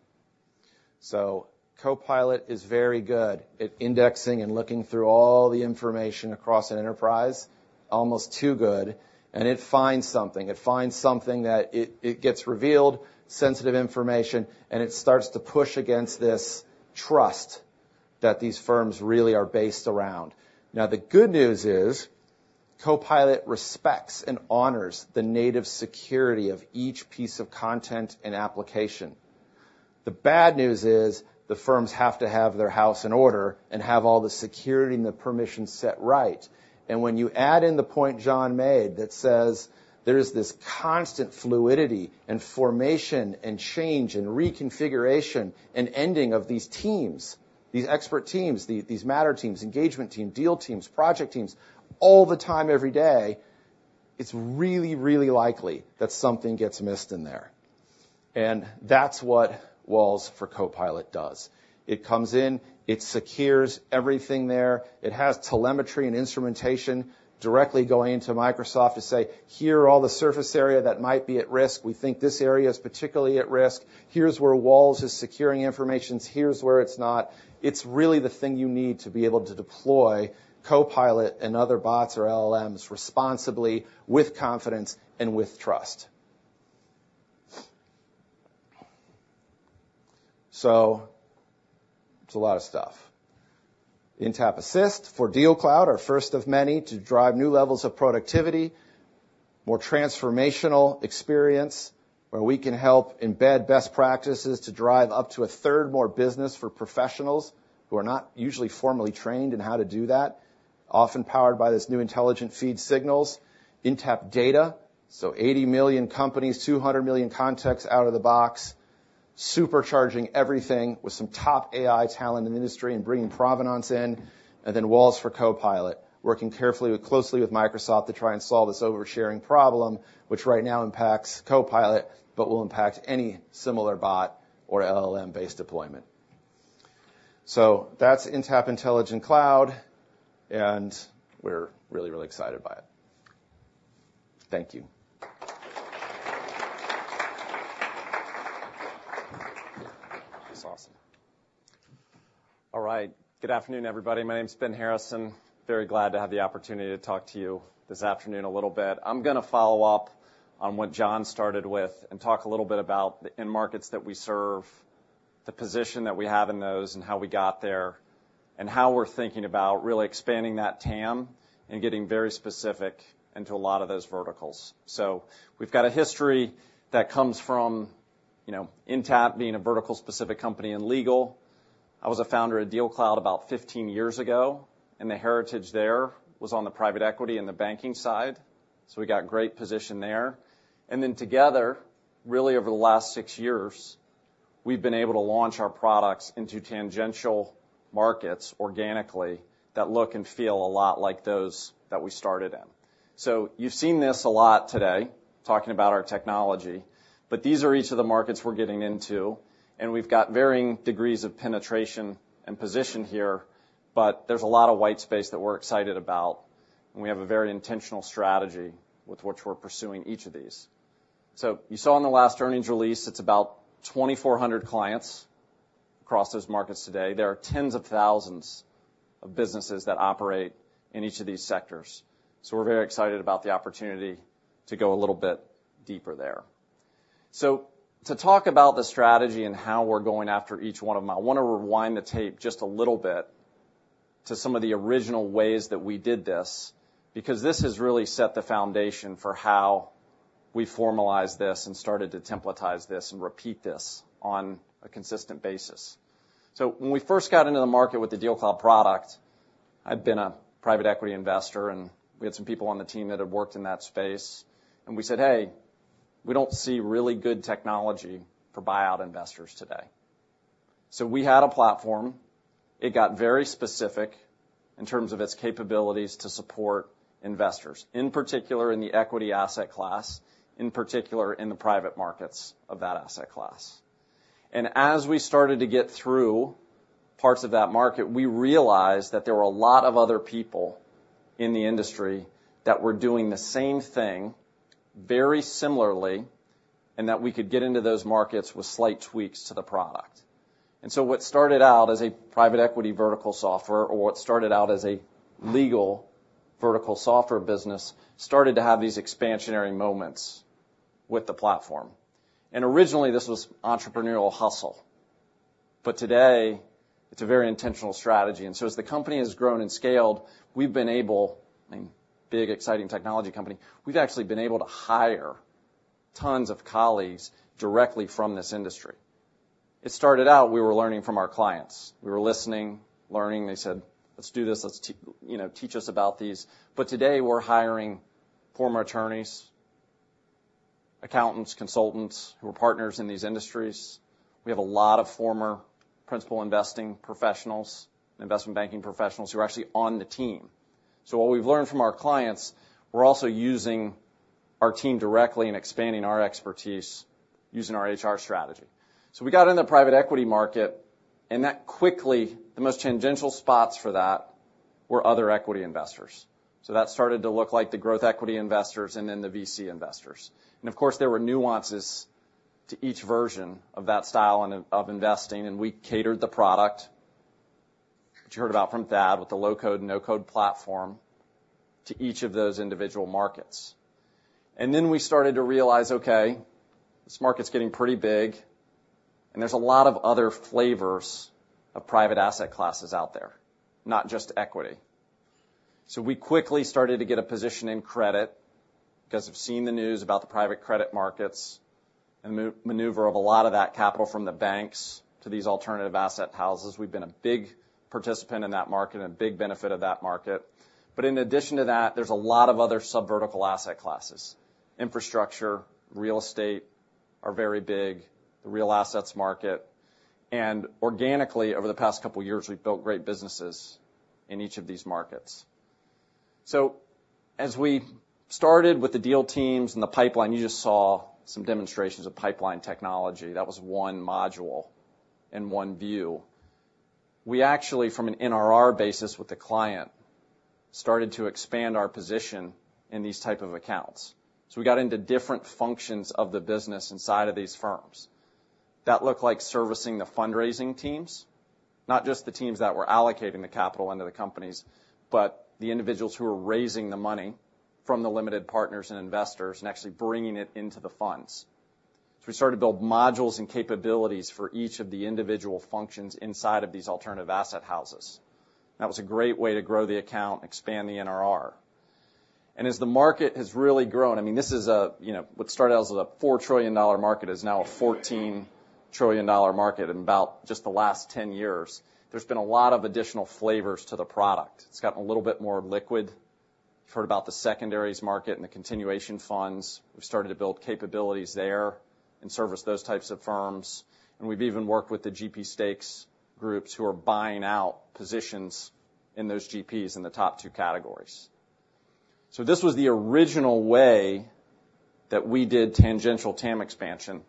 So Copilot is very good at indexing and looking through all the information across an enterprise, almost too good. And it finds something. It finds something that it gets revealed, sensitive information, and it starts to push against this trust that these firms really are based around. Now, the good news is Copilot respects and honors the native security of each piece of content and application. The bad news is the firms have to have their house in order and have all the security and the permissions set right. And when you add in the point John made that says there is this constant fluidity and formation and change and reconfiguration and ending of these teams, these expert teams, these matter teams, engagement teams, deal teams, project teams, all the time, every day, it's really, really likely that something gets missed in there. And that's what Walls for Copilot does. It comes in. It secures everything there. It has telemetry and instrumentation directly going into Microsoft to say, "Here are all the surface area that might be at risk. We think this area is particularly at risk. Here's where Walls is securing information. Here's where it's not." It's really the thing you need to be able to deploy Copilot and other bots or LLMs responsibly, with confidence, and with trust. So it's a lot of stuff. Intapp Assist for DealCloud, our first of many to drive new levels of productivity, more transformational experience where we can help embed best practices to drive up to a third more business for professionals who are not usually formally trained in how to do that, often powered by this new intelligent feed signals. Intapp Data, so 80 million companies, 200 million contacts out of the box, supercharging everything with some top AI talent in the industry and bringing provenance in. And then Walls for Copilot, working carefully and closely with Microsoft to try and solve this oversharing problem, which right now impacts Copilot, but will impact any similar bot or LLM-based deployment. So that's Intapp Intelligent Cloud, and we're really, really excited by it. Thank you. It's awesome. All right. Good afternoon, everybody. My name's Ben Harrison. Very glad to have the opportunity to talk to you this afternoon a little bit. I'm going to follow up on what John started with and talk a little bit about the end markets that we serve, the position that we have in those, and how we got there, and how we're thinking about really expanding that TAM and getting very specific into a lot of those verticals. So we've got a history that comes from Intapp being a vertical-specific company in legal. I was a founder of DealCloud about 15 years ago, and the heritage there was on the private equity and the banking side. So we got a great position there. And then together, really over the last six years, we've been able to launch our products into tangential markets organically that look and feel a lot like those that we started in. So you've seen this a lot today talking about our technology, but these are each of the markets we're getting into. And we've got varying degrees of penetration and position here, but there's a lot of white space that we're excited about, and we have a very intentional strategy with which we're pursuing each of these. So you saw in the last earnings release, it's about 2,400 clients across those markets today. There are tens of thousands of businesses that operate in each of these sectors. So we're very excited about the opportunity to go a little bit deeper there. So to talk about the strategy and how we're going after each one of them, I want to rewind the tape just a little bit to some of the original ways that we did this because this has really set the foundation for how we formalized this and started to templatize this and repeat this on a consistent basis. So when we first got into the market with the DealCloud product, I'd been a private equity investor, and we had some people on the team that had worked in that space. And we said, "Hey, we don't see really good technology for buyout investors today." So we had a platform. It got very specific in terms of its capabilities to support investors, in particular in the equity asset class, in particular in the private markets of that asset class. As we started to get through parts of that market, we realized that there were a lot of other people in the industry that were doing the same thing very similarly and that we could get into those markets with slight tweaks to the product. So what started out as a private equity vertical software or what started out as a legal vertical software business started to have these expansionary moments with the platform. Originally, this was entrepreneurial hustle. But today, it's a very intentional strategy. So as the company has grown and scaled, we've been able. I mean, big, exciting technology company. We've actually been able to hire tons of colleagues directly from this industry. It started out we were learning from our clients. We were listening, learning. They said, "Let's do this. Teach us about these." But today, we're hiring former attorneys, accountants, consultants who are partners in these industries. We have a lot of former principal investing professionals, investment banking professionals who are actually on the team. So what we've learned from our clients, we're also using our team directly and expanding our expertise using our HR strategy. So we got into the private equity market, and quickly, the most tangential spots for that were other equity investors. So that started to look like the growth equity investors and then the VC investors. And of course, there were nuances to each version of that style of investing, and we catered the product that you heard about from Thad with the low-code, no-code platform to each of those individual markets. And then we started to realize, "Okay, this market's getting pretty big, and there's a lot of other flavors of private asset classes out there, not just equity." So we quickly started to get a position in credit because of seeing the news about the private credit markets and the maneuver of a lot of that capital from the banks to these alternative asset houses. We've been a big participant in that market and a big benefit of that market. But in addition to that, there's a lot of other subvertical asset classes. Infrastructure, real estate are very big, the real assets market. And organically, over the past couple of years, we've built great businesses in each of these markets. So as we started with the deal teams and the pipeline, you just saw some demonstrations of pipeline technology. That was one module and one view. We actually, from an NRR basis with the client, started to expand our position in these types of accounts. So we got into different functions of the business inside of these firms. That looked like servicing the fundraising teams, not just the teams that were allocating the capital into the companies, but the individuals who were raising the money from the limited partners and investors and actually bringing it into the funds. So we started to build modules and capabilities for each of the individual functions inside of these alternative asset houses. That was a great way to grow the account, expand the NRR. And as the market has really grown I mean, this is what started out as a $4 trillion market is now a $14 trillion market in about just the last 10 years. There's been a lot of additional flavors to the product. It's gotten a little bit more liquid. You've heard about the secondaries market and the continuation funds. We've started to build capabilities there and service those types of firms. And we've even worked with the GP stakes groups who are buying out positions in those GPs in the top two categories. So this was the original way that we did tangential TAM expansion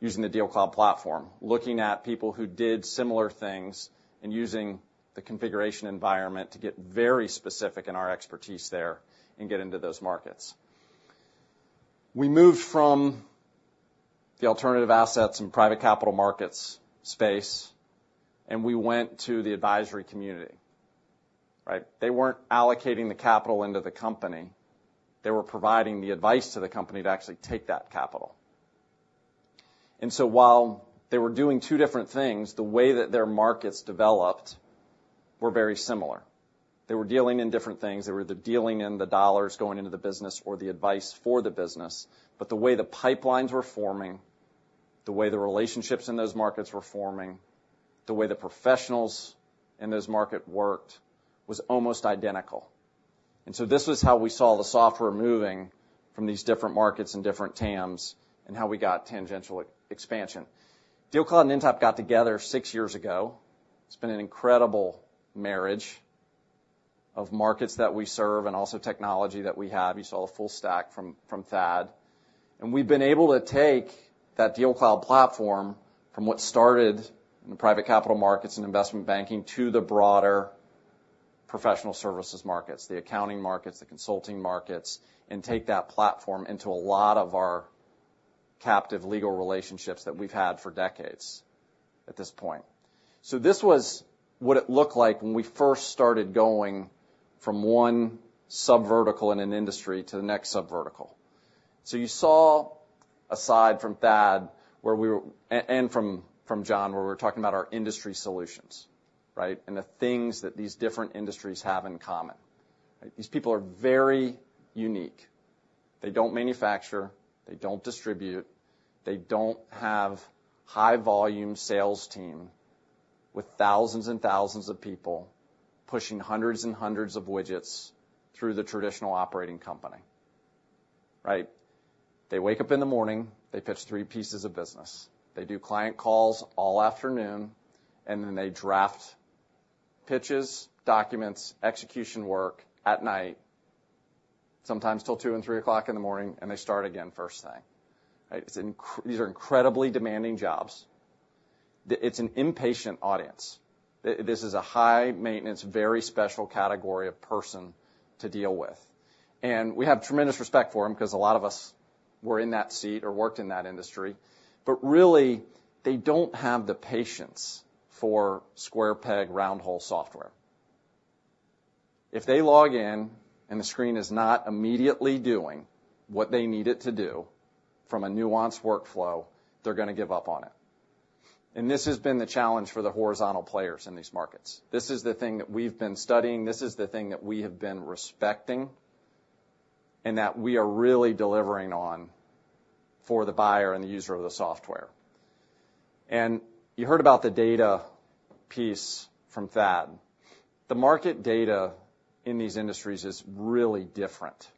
using the DealCloud platform, looking at people who did similar things and using the configuration environment to get very specific in our expertise there and get into those markets. We moved from the alternative assets and private capital markets space, and we went to the advisory community. They weren't allocating the capital into the company. They were providing the advice to the company to actually take that capital. And so while they were doing two different things, the way that their markets developed were very similar. They were dealing in different things. They were either dealing in the dollars going into the business or the advice for the business. But the way the pipelines were forming, the way the relationships in those markets were forming, the way the professionals in those markets worked was almost identical. And so this was how we saw the software moving from these different markets and different TAMs and how we got tangential expansion. DealCloud and Intapp got together six years ago. It's been an incredible marriage of markets that we serve and also technology that we have. You saw a full stack from Thad. And we've been able to take that DealCloud platform from what started in the private capital markets and investment banking to the broader professional services markets, the accounting markets, the consulting markets, and take that platform into a lot of our captive legal relationships that we've had for decades at this point. So this was what it looked like when we first started going from one subvertical in an industry to the next subvertical. So you saw, aside from Thad and from John, where we were talking about our industry solutions and the things that these different industries have in common. These people are very unique. They don't manufacture. They don't distribute. They don't have a high-volume sales team with thousands and thousands of people pushing hundreds and hundreds of widgets through the traditional operating company. They wake up in the morning. They pitch three pieces of business. They do client calls all afternoon, and then they draft pitches, documents, execution work at night, sometimes till 2:00 A.M. and 3:00 A.M., and they start again first thing. These are incredibly demanding jobs. It's an impatient audience. This is a high-maintenance, very special category of person to deal with. We have tremendous respect for them because a lot of us were in that seat or worked in that industry. But really, they don't have the patience for square peg, round hole software. If they log in and the screen is not immediately doing what they need it to do from a nuanced workflow, they're going to give up on it. This has been the challenge for the horizontal players in these markets. This is the thing that we've been studying. This is the thing that we have been respecting and that we are really delivering on for the buyer and the user of the software. You heard about the data piece from Thad. The market data in these industries is really different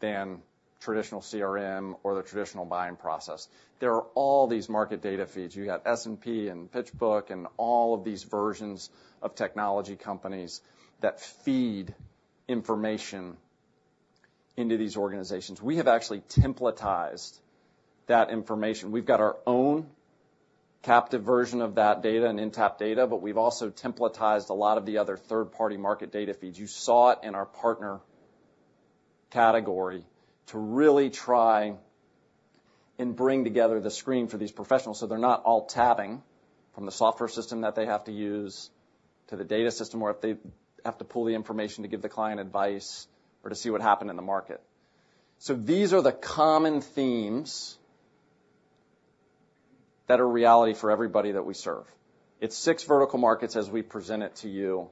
than traditional CRM or the traditional buying process. There are all these market data feeds. You got S&P and PitchBook and all of these versions of technology companies that feed information into these organizations. We have actually templatized that information. We've got our own captive version of that data and Intapp data, but we've also templatized a lot of the other third-party market data feeds. You saw it in our partner category to really try and bring together the screen for these professionals so they're not all tabbing from the software system that they have to use to the data system or if they have to pull the information to give the client advice or to see what happened in the market. So these are the common themes that are reality for everybody that we serve. It's six vertical markets as we present it to you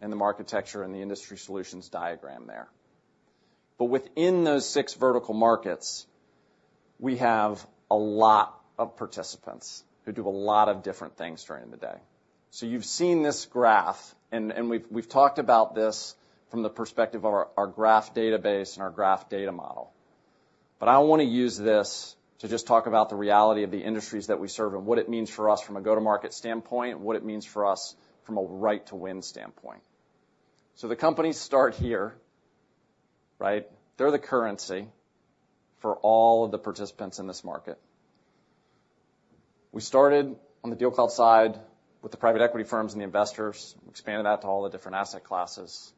and the architecture and the industry solutions diagram there. But within those six vertical markets, we have a lot of participants who do a lot of different things during the day. So you've seen this graph, and we've talked about this from the perspective of our graph database and our graph data model. But I don't want to use this to just talk about the reality of the industries that we serve and what it means for us from a go-to-market standpoint and what it means for us from a right-to-win standpoint. So the companies start here. They're the currency for all of the participants in this market. We started on the DealCloud side with the private equity firms and the investors. We expanded that to all the different asset classes.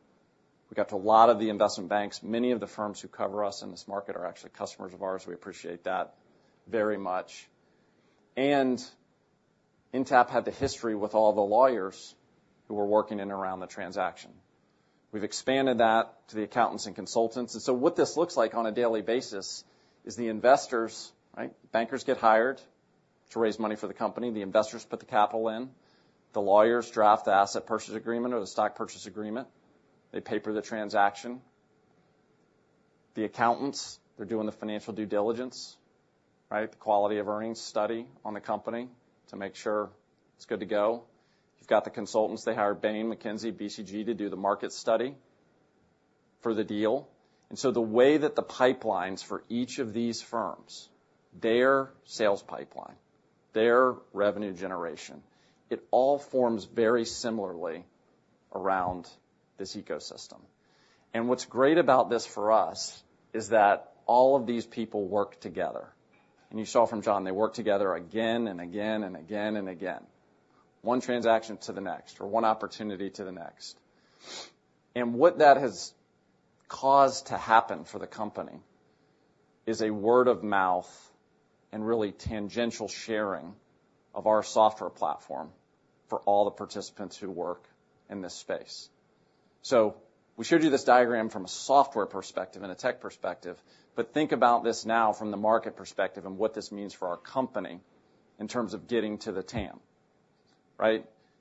We got to a lot of the investment banks. Many of the firms who cover us in this market are actually customers of ours. We appreciate that very much. And Intapp had the history with all the lawyers who were working in and around the transaction. We've expanded that to the accountants and consultants. And so what this looks like on a daily basis is the investment bankers get hired to raise money for the company. The investors put the capital in. The lawyers draft the asset purchase agreement or the stock purchase agreement. They paper the transaction. The accountants, they're doing the financial due diligence, the quality of earnings study on the company to make sure it's good to go. You've got the consultants. They hire Bain, McKinsey, BCG to do the market study for the deal. And so the way that the pipelines for each of these firms, their sales pipeline, their revenue generation, it all forms very similarly around this ecosystem. And what's great about this for us is that all of these people work together. And you saw from John, they work together again and again and again and again, one transaction to the next or one opportunity to the next. And what that has caused to happen for the company is a word of mouth and really tangential sharing of our software platform for all the participants who work in this space. So we showed you this diagram from a software perspective and a tech perspective, but think about this now from the market perspective and what this means for our company in terms of getting to the TAM.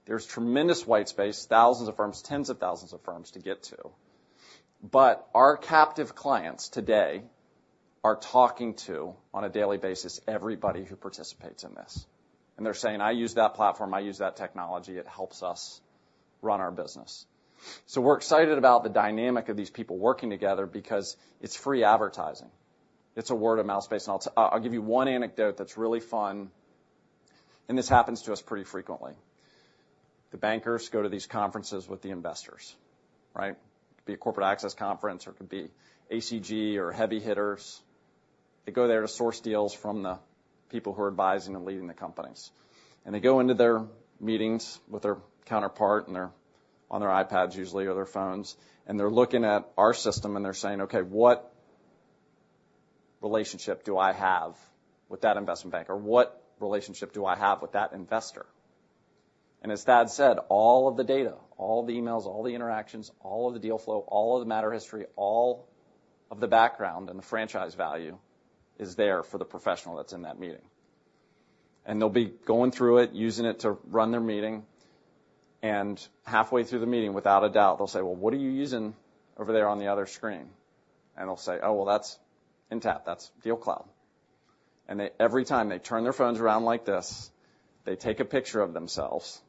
There's tremendous white space, thousands of firms, tens of thousands of firms to get to. But our captive clients today are talking to, on a daily basis, everybody who participates in this. And they're saying, "I use that platform. I use that technology. It helps us run our business." So we're excited about the dynamic of these people working together because it's free advertising. It's a word of mouth space. And I'll give you one anecdote that's really fun. And this happens to us pretty frequently. The bankers go to these conferences with the investors. It could be a corporate access conference or it could be ACG or heavy hitters. They go there to source deals from the people who are advising and leading the companies. And they go into their meetings with their counterpart, and they're on their iPads usually or their phones. And they're looking at our system, and they're saying, "Okay, what relationship do I have with that investment bank, or what relationship do I have with that investor?" And as Thad said, all of the data, all the emails, all the interactions, all of the deal flow, all of the matter history, all of the background and the franchise value is there for the professional that's in that meeting. And they'll be going through it, using it to run their meeting. And halfway through the meeting, without a doubt, they'll say, "Well, what are you using over there on the other screen?" And they'll say, "Oh, well, that's Intapp. That's DealCloud." And every time they turn their phones around like this, they take a picture of themselves,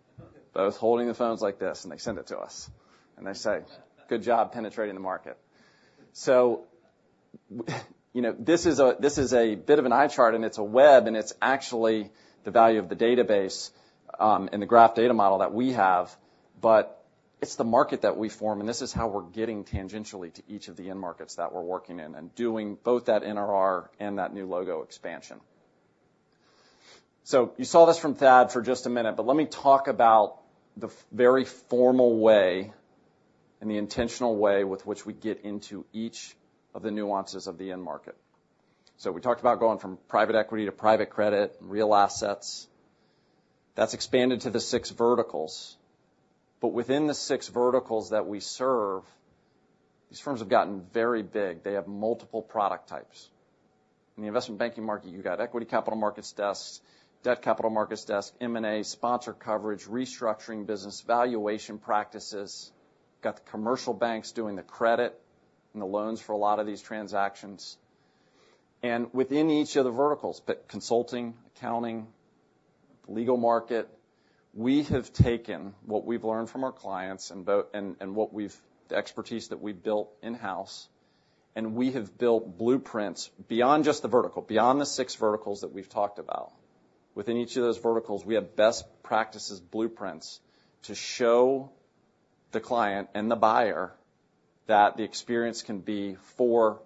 both holding the phones like this, and they send it to us. They say, "Good job penetrating the market." So this is a bit of an eye chart, and it's a web, and it's actually the value of the database and the graph data model that we have. But it's the market that we form, and this is how we're getting tangentially to each of the end markets that we're working in and doing both that NRR and that new logo expansion. So you saw this from Thad for just a minute, but let me talk about the very formal way and the intentional way with which we get into each of the nuances of the end market. So we talked about going from private equity to private credit, real assets. That's expanded to the six verticals. But within the six verticals that we serve, these firms have gotten very big. They have multiple product types. In the investment banking market, you've got equity capital markets desk, debt capital markets desk, M&A, sponsor coverage, restructuring business, valuation practices. Got the commercial banks doing the credit and the loans for a lot of these transactions. Within each of the verticals, but consulting, accounting, legal market, we have taken what we've learned from our clients and the expertise that we've built in-house. We have built blueprints beyond just the vertical, beyond the six verticals that we've talked about. Within each of those verticals, we have best practices blueprints to show the client and the buyer that the experience can be for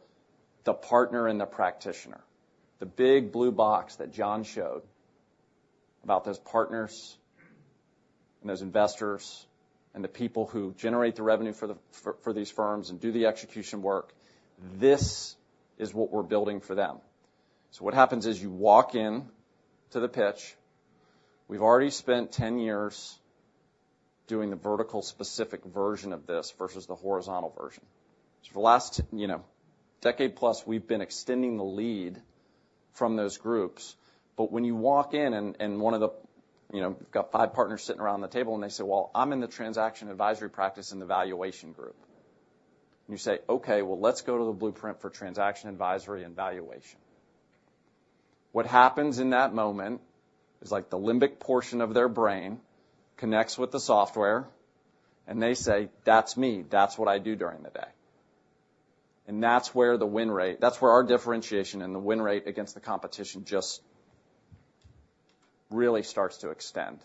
the partner and the practitioner. The big blue box that John showed about those partners and those investors and the people who generate the revenue for these firms and do the execution work, this is what we're building for them. So what happens is you walk into the pitch. We've already spent 10 years doing the vertical-specific version of this versus the horizontal version. So for the last decade-plus, we've been extending the lead from those groups. But when you walk in and one of the we've got 5 partners sitting around the table, and they say, "Well, I'm in the transaction advisory practice and the valuation group." And you say, "Okay, well, let's go to the blueprint for transaction advisory and valuation." What happens in that moment is the limbic portion of their brain connects with the software, and they say, "That's me. That's what I do during the day." And that's where the win rate, that's where our differentiation and the win rate against the competition just really starts to extend.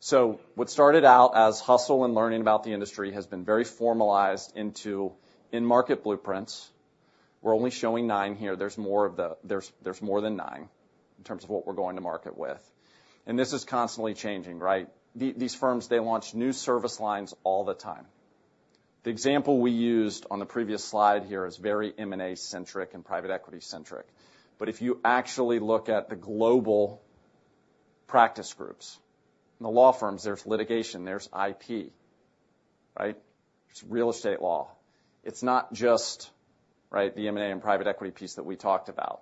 So what started out as hustle and learning about the industry has been very formalized into end market blueprints. We're only showing nine here. There's more than nine in terms of what we're going to market with. And this is constantly changing. These firms, they launch new service lines all the time. The example we used on the previous slide here is very M&A-centric and private equity-centric. But if you actually look at the global practice groups in the law firms, there's litigation. There's IP. There's real estate law. It's not just the M&A and private equity piece that we talked about.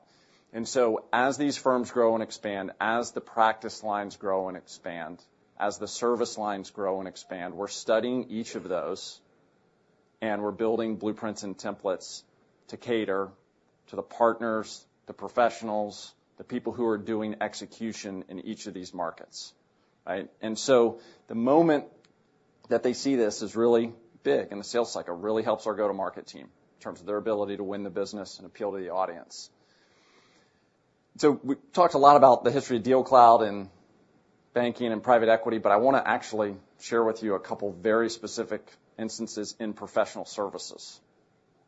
As these firms grow and expand, as the practice lines grow and expand, as the service lines grow and expand, we're studying each of those, and we're building blueprints and templates to cater to the partners, the professionals, the people who are doing execution in each of these markets. The moment that they see this is really big, and the sales cycle really helps our go-to-market team in terms of their ability to win the business and appeal to the audience. We've talked a lot about the history of DealCloud and banking and private equity, but I want to actually share with you a couple of very specific instances in professional services,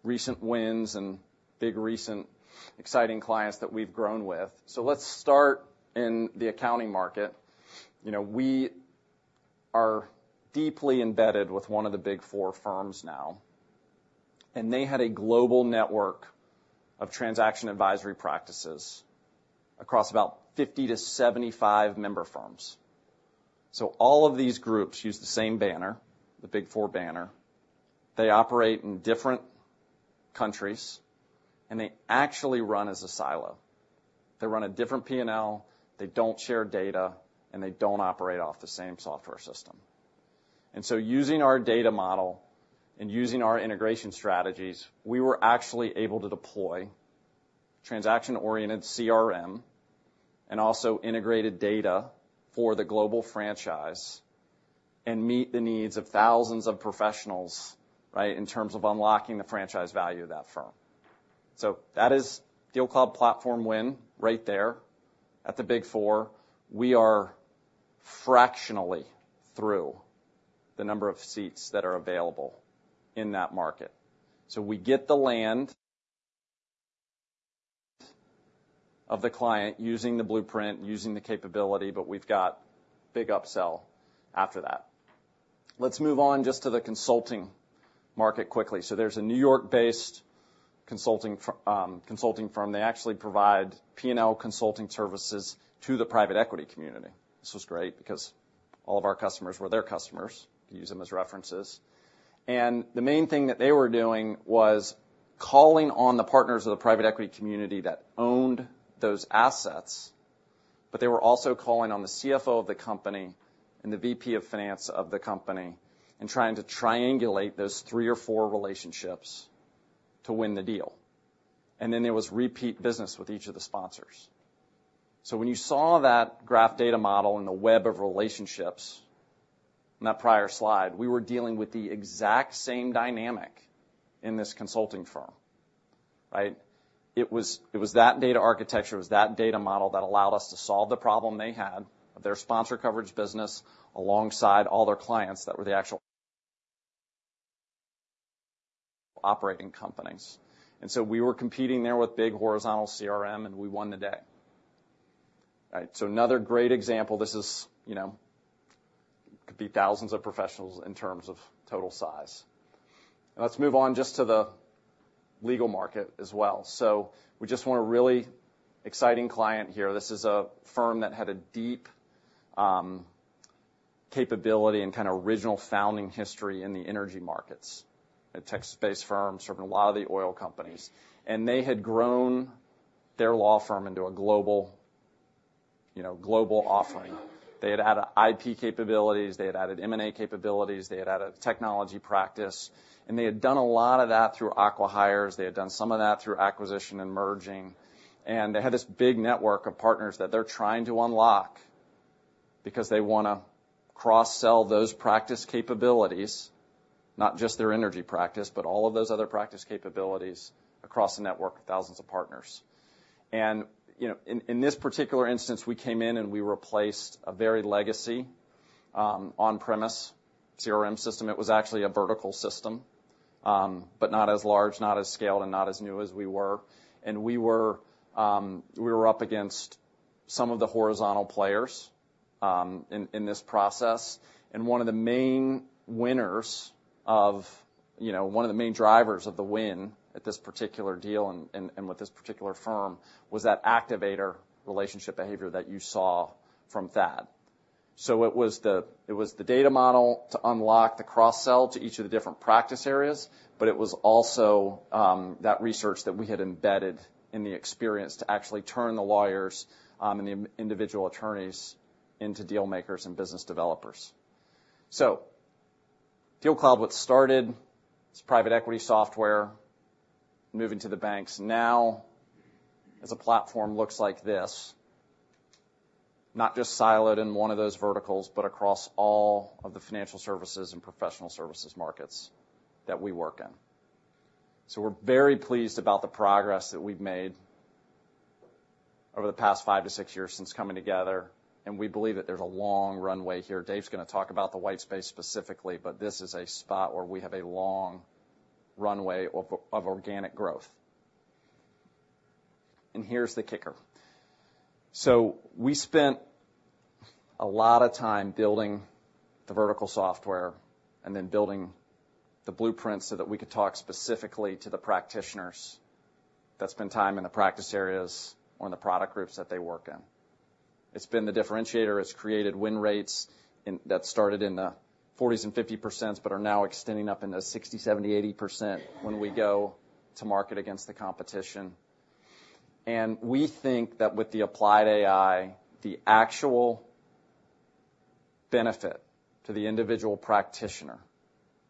recent wins and big recent exciting clients that we've grown with. Let's start in the accounting market. We are deeply embedded with one of the Big Four firms now, and they had a global network of transaction advisory practices across about 50-75 member firms. So all of these groups use the same banner, the Big Four banner. They operate in different countries, and they actually run as a silo. They run a different P&L. They don't share data, and they don't operate off the same software system. And so using our data model and using our integration strategies, we were actually able to deploy transaction-oriented CRM and also integrated data for the global franchise and meet the needs of thousands of professionals in terms of unlocking the franchise value of that firm. So that is DealCloud platform win right there at the Big Four. We are fractionally through the number of seats that are available in that market. So we get the land of the client using the blueprint, using the capability, but we've got big upsell after that. Let's move on just to the consulting market quickly. So there's a New York-based consulting firm. They actually provide P&L consulting services to the private equity community. This was great because all of our customers were their customers. You can use them as references. The main thing that they were doing was calling on the partners of the private equity community that owned those assets, but they were also calling on the CFO of the company and the VP of finance of the company and trying to triangulate those three or four relationships to win the deal. Then there was repeat business with each of the sponsors. So when you saw that graph data model and the web of relationships on that prior slide, we were dealing with the exact same dynamic in this consulting firm. It was that data architecture. It was that data model that allowed us to solve the problem they had of their sponsor coverage business alongside all their clients that were the actual operating companies. And so we were competing there with big horizontal CRM, and we won the day. So another great example. This could be thousands of professionals in terms of total size. And let's move on just to the legal market as well. So we just want a really exciting client here. This is a firm that had a deep capability and kind of original founding history in the energy markets, a tech-space firm serving a lot of the oil companies. They had grown their law firm into a global offering. They had added IP capabilities. They had added M&A capabilities. They had added technology practice. They had done a lot of that through acqui-hires. They had done some of that through acquisition and merging. They had this big network of partners that they're trying to unlock because they want to cross-sell those practice capabilities, not just their energy practice, but all of those other practice capabilities across a network of thousands of partners. In this particular instance, we came in, and we replaced a very legacy on-premises CRM system. It was actually a vertical system, but not as large, not as scaled, and not as new as we were. We were up against some of the horizontal players in this process. One of the main winners of one of the main drivers of the win at this particular deal and with this particular firm was that Activator relationship behavior that you saw from Thad. So it was the data model to unlock the cross-sell to each of the different practice areas, but it was also that research that we had embedded in the experience to actually turn the lawyers and the individual attorneys into dealmakers and business developers. So DealCloud, what started, it's private equity software, moving to the banks. Now, as a platform, looks like this, not just siloed in one of those verticals, but across all of the financial services and professional services markets that we work in. So we're very pleased about the progress that we've made over the past five to six years since coming together. We believe that there's a long runway here. Dave's going to talk about the white space specifically, but this is a spot where we have a long runway of organic growth. Here's the kicker. We spent a lot of time building the vertical software and then building the blueprints so that we could talk specifically to the practitioners. That's been time in the practice areas or in the product groups that they work in. It's been the differentiator. It's created win rates that started in the 40s and 50% but are now extending up into 60%, 70%, 80% when we go to market against the competition. We think that with the Applied AI, the actual benefit to the individual practitioner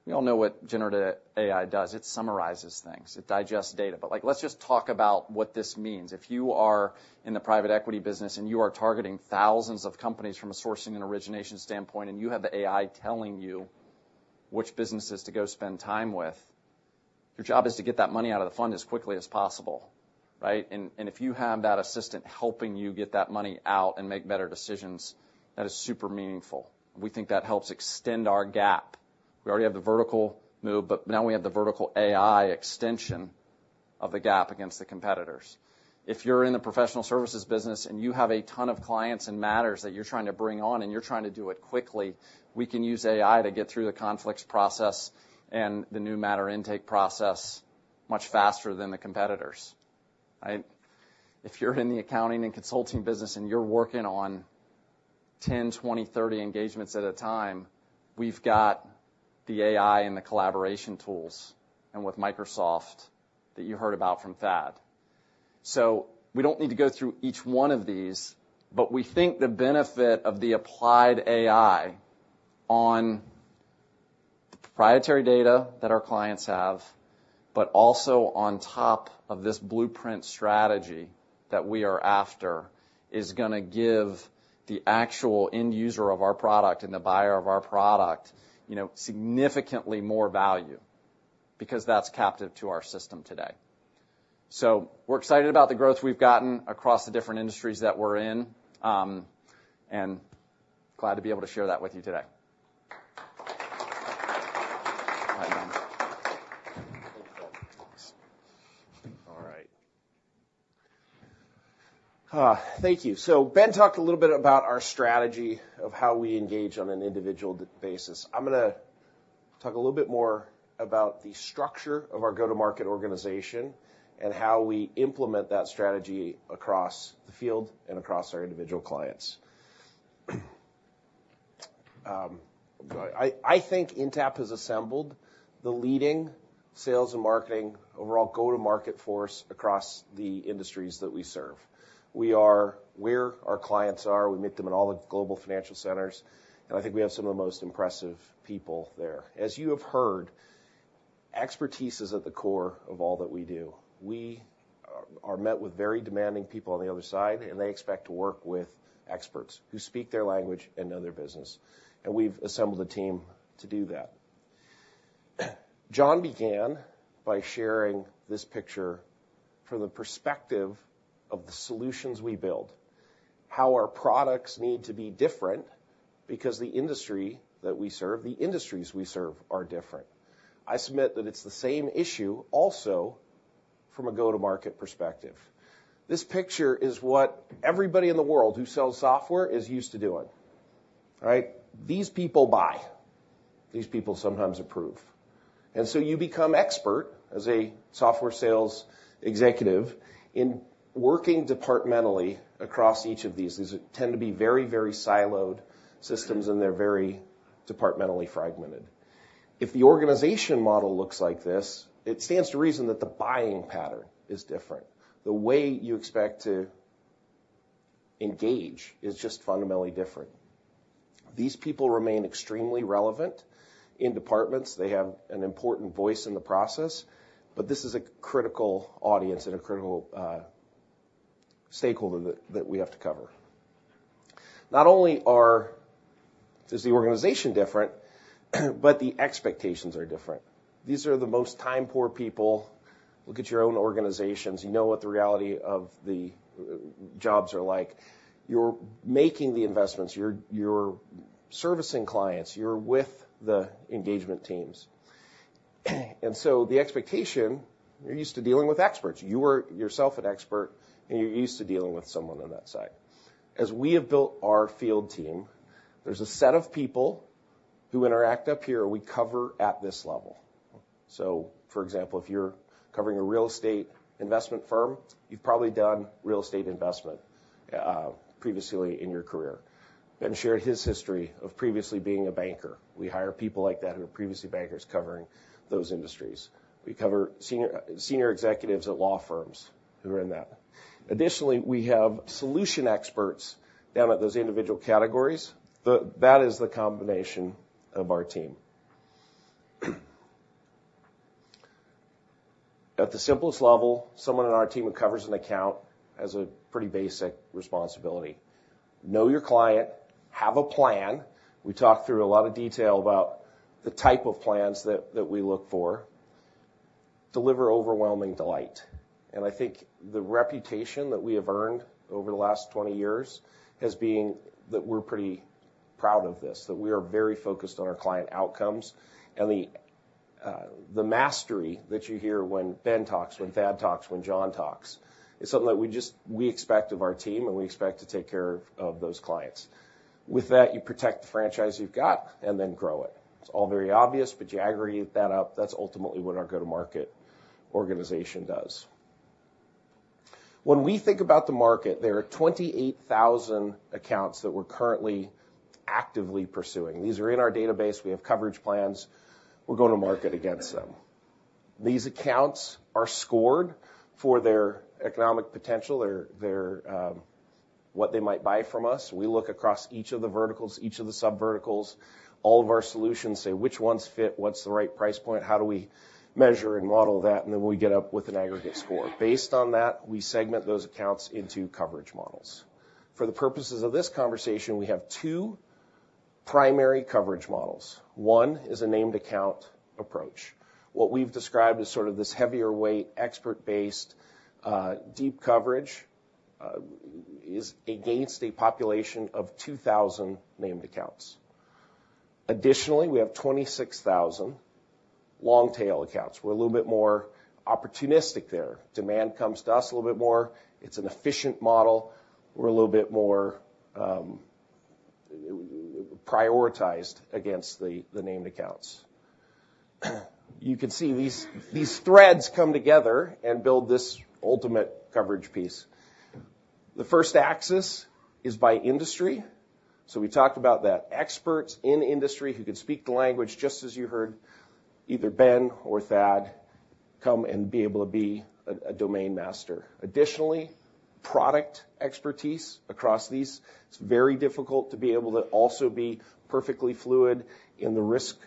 we all know what generative AI does. It summarizes things. It digests data. But let's just talk about what this means. If you are in the private equity business, and you are targeting thousands of companies from a sourcing and origination standpoint, and you have the AI telling you which businesses to go spend time with, your job is to get that money out of the fund as quickly as possible. And if you have that assistant helping you get that money out and make better decisions, that is super meaningful. We think that helps extend our gap. We already have the vertical move, but now we have the vertical AI extension of the gap against the competitors. If you're in the professional services business, and you have a ton of clients and matters that you're trying to bring on, and you're trying to do it quickly, we can use AI to get through the conflicts process and the new matter intake process much faster than the competitors. If you're in the accounting and consulting business, and you're working on 10, 20, 30 engagements at a time, we've got the AI and the collaboration tools and with Microsoft that you heard about from Thad. So we don't need to go through each one of these, but we think the benefit of the Applied AI on the proprietary data that our clients have, but also on top of this blueprint strategy that we are after, is going to give the actual end user of our product and the buyer of our product significantly more value because that's captive to our system today. So we're excited about the growth we've gotten across the different industries that we're in and glad to be able to share that with you today. All right. Thank you. So Ben talked a little bit about our strategy of how we engage on an individual basis. I'm going to talk a little bit more about the structure of our go-to-market organization and how we implement that strategy across the field and across our individual clients. I think Intapp has assembled the leading sales and marketing overall go-to-market force across the industries that we serve. We are where our clients are. We meet them in all the global financial centers. I think we have some of the most impressive people there. As you have heard, expertise is at the core of all that we do. We are met with very demanding people on the other side, and they expect to work with experts who speak their language and know their business. We've assembled a team to do that. John began by sharing this picture from the perspective of the solutions we build, how our products need to be different because the industry that we serve, the industries we serve are different. I submit that it's the same issue also from a go-to-market perspective. This picture is what everybody in the world who sells software is used to doing. These people buy. These people sometimes approve. And so you become expert as a software sales executive in working departmentally across each of these. These tend to be very, very siloed systems, and they're very departmentally fragmented. If the organization model looks like this, it stands to reason that the buying pattern is different. The way you expect to engage is just fundamentally different. These people remain extremely relevant in departments. They have an important voice in the process, but this is a critical audience and a critical stakeholder that we have to cover. Not only is the organization different, but the expectations are different. These are the most time-poor people. Look at your own organizations. You know what the reality of the jobs are like. You're making the investments. You're servicing clients. You're with the engagement teams. And so the expectation, you're used to dealing with experts. You were yourself an expert, and you're used to dealing with someone on that side. As we have built our field team, there's a set of people who interact up here we cover at this level. So for example, if you're covering a real estate investment firm, you've probably done real estate investment previously in your career and shared his history of previously being a banker. We hire people like that who are previously bankers covering those industries. We cover senior executives at law firms who are in that. Additionally, we have solution experts down at those individual categories. That is the combination of our team. At the simplest level, someone in our team who covers an account has a pretty basic responsibility. Know your client. Have a plan. We talk through a lot of detail about the type of plans that we look for. Deliver overwhelming delight. I think the reputation that we have earned over the last 20 years has been that we're pretty proud of this, that we are very focused on our client outcomes. The mastery that you hear when Ben talks, when Thad talks, when John talks is something that we expect of our team, and we expect to take care of those clients. With that, you protect the franchise you've got and then grow it. It's all very obvious, but you aggregate that up. That's ultimately what our go-to-market organization does. When we think about the market, there are 28,000 accounts that we're currently actively pursuing. These are in our database. We have coverage plans. We're going to market against them. These accounts are scored for their economic potential, what they might buy from us. We look across each of the verticals, each of the subverticals. All of our solutions say, "Which ones fit? What's the right price point? How do we measure and model that?" And then we get up with an aggregate score. Based on that, we segment those accounts into coverage models. For the purposes of this conversation, we have two primary coverage models. One is a named account approach. What we've described is sort of this heavier weight, expert-based deep coverage against a population of 2,000 named accounts. Additionally, we have 26,000 long-tail accounts. We're a little bit more opportunistic there. Demand comes to us a little bit more. It's an efficient model. We're a little bit more prioritized against the named accounts. You can see these threads come together and build this ultimate coverage piece. The first axis is by industry. So we talked about that. Experts in industry who can speak the language just as you heard, either Ben or Thad, come and be able to be a domain master. Additionally, product expertise across these. It's very difficult to be able to also be perfectly fluid in the risk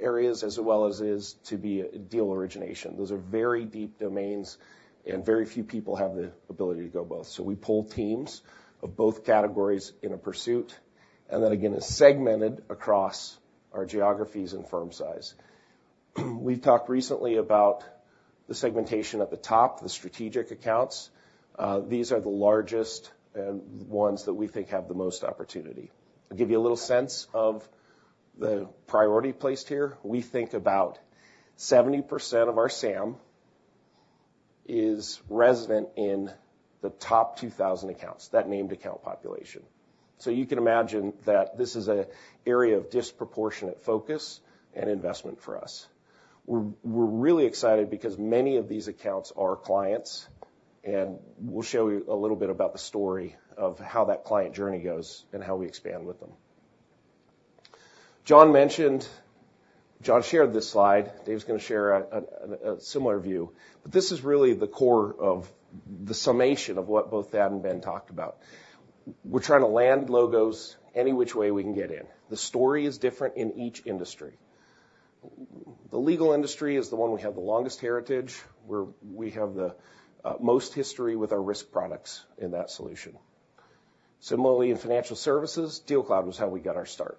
areas as well as it is to be deal origination. Those are very deep domains, and very few people have the ability to go both. So we pull teams of both categories in a pursuit, and then, again, is segmented across our geographies and firm size. We've talked recently about the segmentation at the top, the strategic accounts. These are the largest and ones that we think have the most opportunity. I'll give you a little sense of the priority placed here. We think about 70% of our SAM is resident in the top 2,000 accounts, that named account population. So you can imagine that this is an area of disproportionate focus and investment for us. We're really excited because many of these accounts are clients, and we'll show you a little bit about the story of how that client journey goes and how we expand with them. John shared this slide. Dave's going to share a similar view. This is really the core of the summation of what both Thad and Ben talked about. We're trying to land logos any which way we can get in. The story is different in each industry. The legal industry is the one we have the longest heritage, where we have the most history with our risk products in that solution. Similarly, in financial services, DealCloud was how we got our start.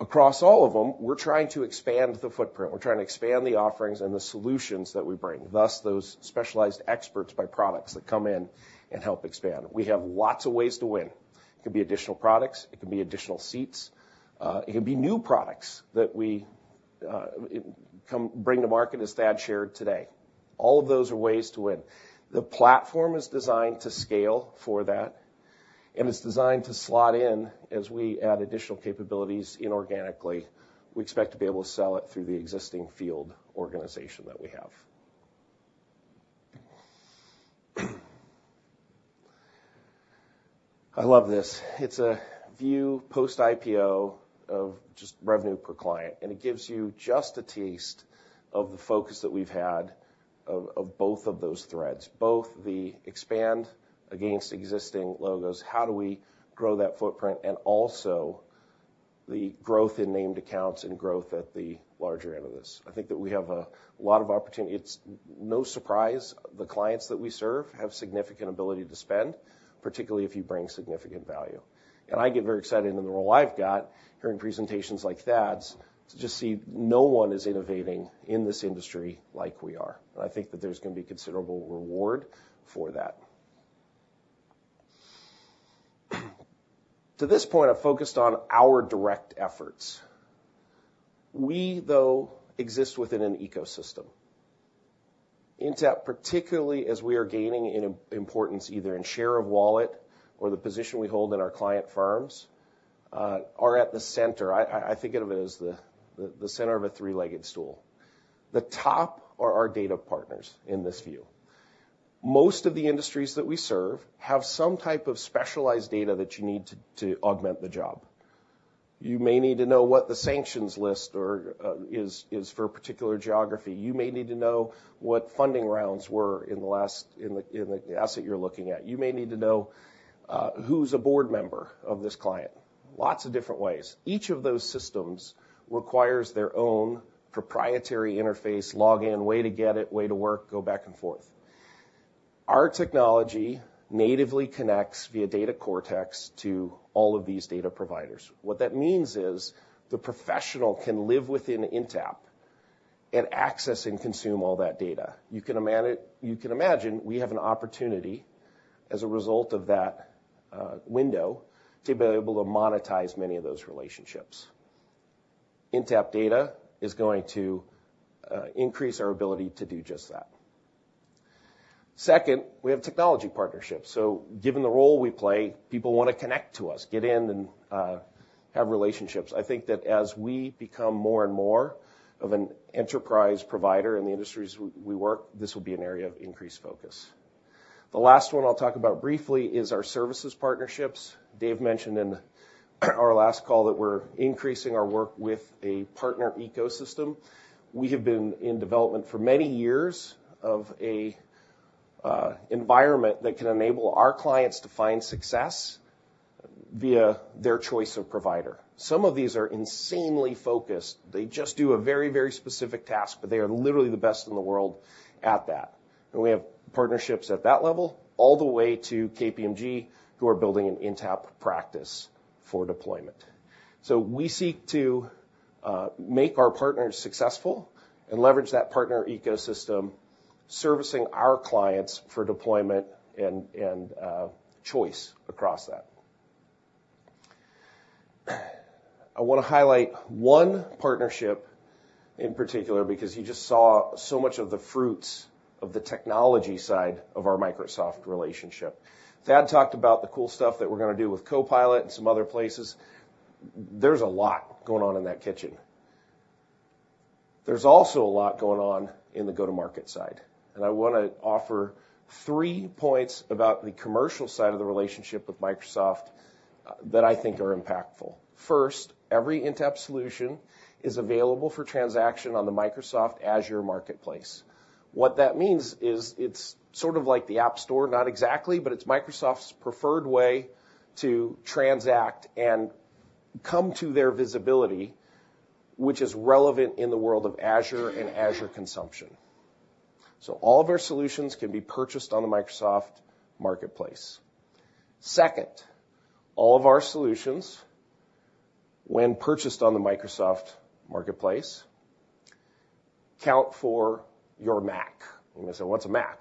Across all of them, we're trying to expand the footprint. We're trying to expand the offerings and the solutions that we bring, thus those specialized experts by products that come in and help expand. We have lots of ways to win. It can be additional products. It can be additional seats. It can be new products that we bring to market, as Thad shared today. All of those are ways to win. The platform is designed to scale for that, and it's designed to slot in as we add additional capabilities inorganically. We expect to be able to sell it through the existing field organization that we have. I love this. It's a view post-IPO of just revenue per client, and it gives you just a taste of the focus that we've had of both of those threads, both the expand against existing logos, how do we grow that footprint, and also the growth in named accounts and growth at the larger end of this. I think that we have a lot of opportunity. It's no surprise. The clients that we serve have significant ability to spend, particularly if you bring significant value. And I get very excited in the role I've got hearing presentations like Thad's to just see no one is innovating in this industry like we are. And I think that there's going to be considerable reward for that. To this point, I've focused on our direct efforts. We, though, exist within an ecosystem. Intapp, particularly as we are gaining in importance either in share of wallet or the position we hold in our client firms, are at the center. I think of it as the center of a three-legged stool. The top are our data partners in this view. Most of the industries that we serve have some type of specialized data that you need to augment the job. You may need to know what the sanctions list is for a particular geography. You may need to know what funding rounds were in the asset you're looking at. You may need to know who's a board member of this client. Lots of different ways. Each of those systems requires their own proprietary interface, login, way to get it, way to work, go back and forth. Our technology natively connects via Data Cortex to all of these data providers. What that means is the professional can live within Intapp and access and consume all that data. You can imagine we have an opportunity as a result of that window to be able to monetize many of those relationships. Intapp Data is going to increase our ability to do just that. Second, we have technology partnerships. So given the role we play, people want to connect to us, get in, and have relationships. I think that as we become more and more of an enterprise provider in the industries we work, this will be an area of increased focus. The last one I'll talk about briefly is our services partnerships. Dave mentioned in our last call that we're increasing our work with a partner ecosystem. We have been in development for many years of an environment that can enable our clients to find success via their choice of provider. Some of these are insanely focused. They just do a very, very specific task, but they are literally the best in the world at that. We have partnerships at that level all the way to KPMG, who are building an Intapp practice for deployment. We seek to make our partners successful and leverage that partner ecosystem servicing our clients for deployment and choice across that. I want to highlight one partnership in particular because you just saw so much of the fruits of the technology side of our Microsoft relationship. Thad talked about the cool stuff that we're going to do with Copilot and some other places. There's a lot going on in that kitchen. There's also a lot going on in the go-to-market side. I want to offer three points about the commercial side of the relationship with Microsoft that I think are impactful. First, every Intapp solution is available for transaction on the Microsoft Azure Marketplace. What that means is it's sort of like the App Store, not exactly, but it's Microsoft's preferred way to transact and come to their visibility, which is relevant in the world of Azure and Azure consumption. So all of our solutions can be purchased on the Microsoft Marketplace. Second, all of our solutions, when purchased on the Microsoft Marketplace, count for your MACC. You may say, "What's a MACC?"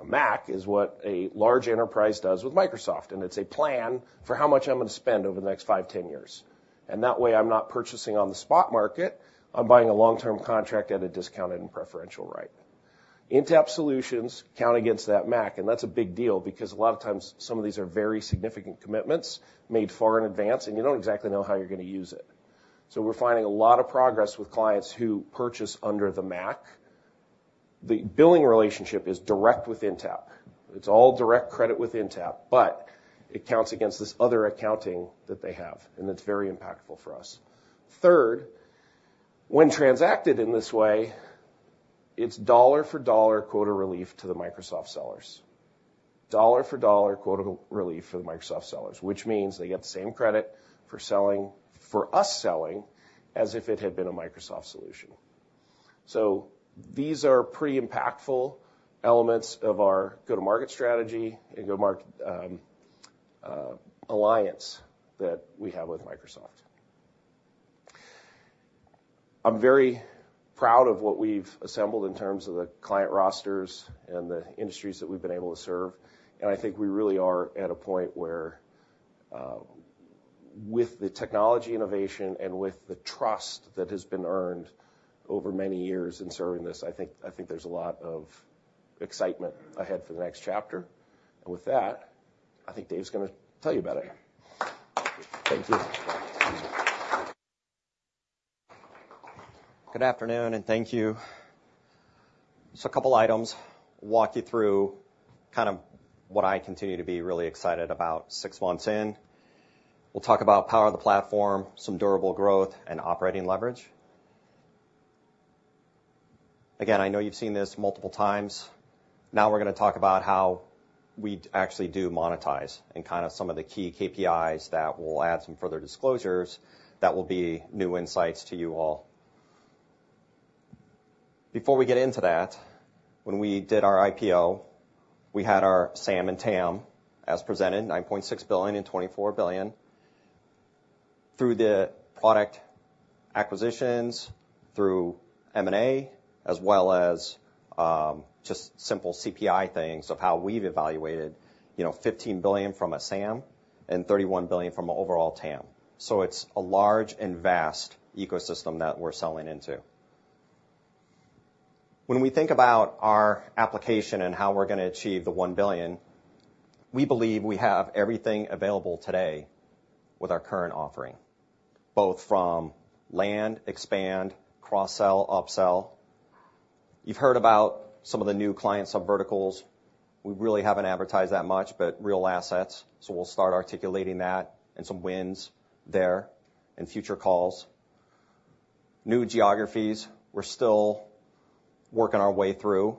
A MACC is what a large enterprise does with Microsoft, and it's a plan for how much I'm going to spend over the next 5, 10 years. That way, I'm not purchasing on the spot market. I'm buying a long-term contract at a discounted and preferential rate. Intapp solutions count against that MACC, and that's a big deal because a lot of times, some of these are very significant commitments made far in advance, and you don't exactly know how you're going to use it. So we're finding a lot of progress with clients who purchase under the MACC. The billing relationship is direct with Intapp. It's all direct credit with Intapp, but it counts against this other accounting that they have, and it's very impactful for us. Third, when transacted in this way, it's dollar-for-dollar quota relief to the Microsoft sellers, dollar-for-dollar quota relief for the Microsoft sellers, which means they get the same credit for us selling as if it had been a Microsoft solution. So these are pretty impactful elements of our go-to-market strategy and go-to-market alliance that we have with Microsoft. I'm very proud of what we've assembled in terms of the client rosters and the industries that we've been able to serve. And I think we really are at a point where, with the technology innovation and with the trust that has been earned over many years in serving this, I think there's a lot of excitement ahead for the next chapter. And with that, I think Dave's going to tell you about it. Thank you. Good afternoon, and thank you. Just a couple of items. Walk you through kind of what I continue to be really excited about six months in. We'll talk about power of the platform, some durable growth, and operating leverage. Again, I know you've seen this multiple times. Now we're going to talk about how we actually do monetize and kind of some of the key KPIs that will add some further disclosures that will be new insights to you all. Before we get into that, when we did our IPO, we had our SAM and TAM as presented, $9.6 billion and $24 billion, through the product acquisitions, through M&A, as well as just simple CPI things of how we've evaluated $15 billion from a SAM and $31 billion from an overall TAM. So it's a large and vast ecosystem that we're selling into. When we think about our application and how we're going to achieve the $1 billion, we believe we have everything available today with our current offering, both from land, expand, cross-sell, upsell. You've heard about some of the new client subverticals. We really haven't advertised that much, but real assets. So we'll start articulating that and some wins there in future calls. New geographies, we're still working our way through.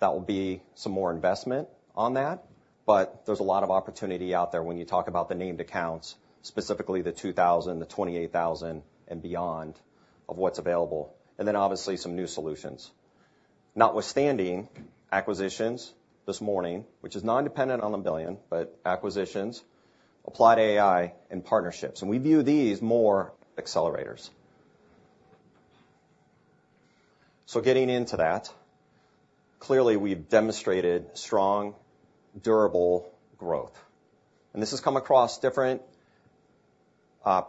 That will be some more investment on that. But there's a lot of opportunity out there when you talk about the named accounts, specifically the 2,000, the 28,000, and beyond of what's available, and then obviously some new solutions, notwithstanding acquisitions this morning, which is non-dependent on the billion, but acquisitions, applied AI, and partnerships. And we view these more accelerators. So getting into that, clearly, we've demonstrated strong, durable growth. And this has come across different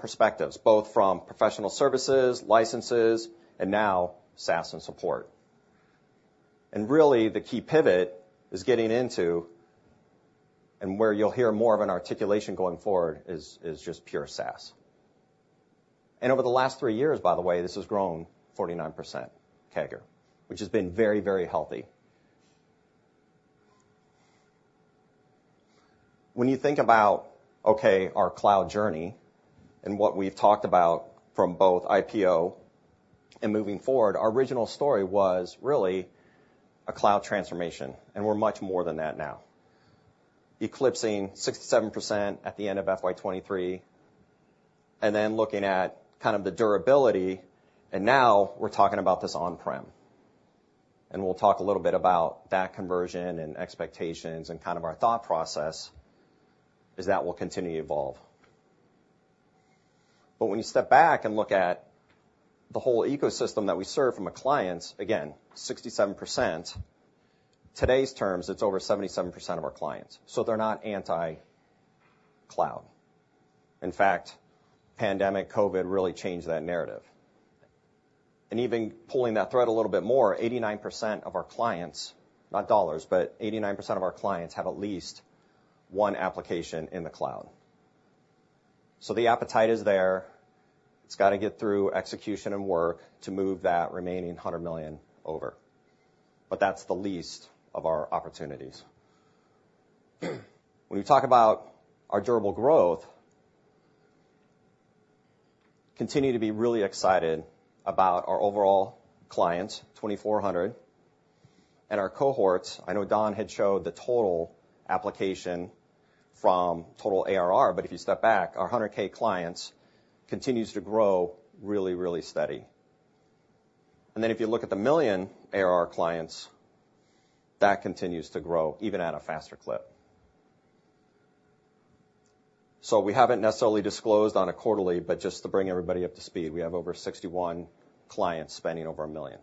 perspectives, both from professional services, licenses, and now SaaS and support. And really, the key pivot is getting into, and where you'll hear more of an articulation going forward, is just pure SaaS. And over the last three years, by the way, this has grown 49% CAGR, which has been very, very healthy. When you think about, okay, our cloud journey and what we've talked about from both IPO and moving forward, our original story was really a cloud transformation, and we're much more than that now, eclipsing 67% at the end of FY23, and then looking at kind of the durability. Now we're talking about this on-prem. And we'll talk a little bit about that conversion and expectations and kind of our thought process is that we'll continue to evolve. But when you step back and look at the whole ecosystem that we serve from a client, again, 67%, today's terms, it's over 77% of our clients. So they're not anti-cloud. In fact, pandemic, COVID really changed that narrative. And even pulling that thread a little bit more, 89% of our clients, not dollars, but 89% of our clients have at least one application in the cloud. So the appetite is there. It's got to get through execution and work to move that remaining $100 million over. But that's the least of our opportunities. When we talk about our durable growth, continue to be really excited about our overall clients, 2,400, and our cohorts. I know Don had showed the total application from total ARR. But if you step back, our 100K clients continue to grow really, really steady. And then if you look at the million ARR clients, that continues to grow even at a faster clip. So we haven't necessarily disclosed on a quarterly, but just to bring everybody up to speed, we have over 61 clients spending over $1 million.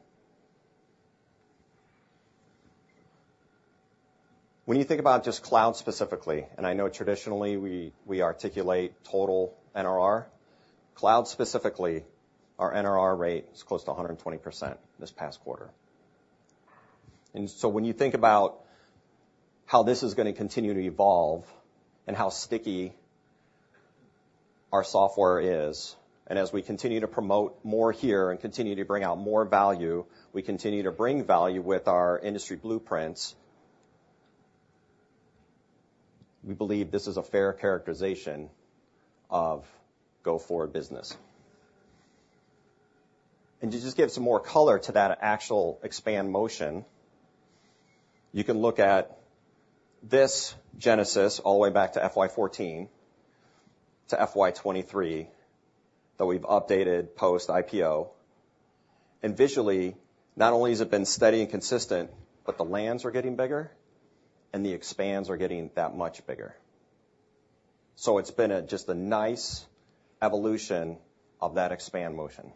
When you think about just cloud specifically, and I know traditionally, we articulate total NRR. Cloud specifically, our NRR rate is close to 120% this past quarter. And so when you think about how this is going to continue to evolve and how sticky our software is, and as we continue to promote more here and continue to bring out more value, we continue to bring value with our industry blueprints. We believe this is a fair characterization of go-forward business. And to just give some more color to that actual expand motion, you can look at this genesis all the way back to FY14 to FY23 that we've updated post-IPO. And visually, not only has it been steady and consistent, but the lands are getting bigger, and the expands are getting that much bigger. So it's been just a nice evolution of that expand motion.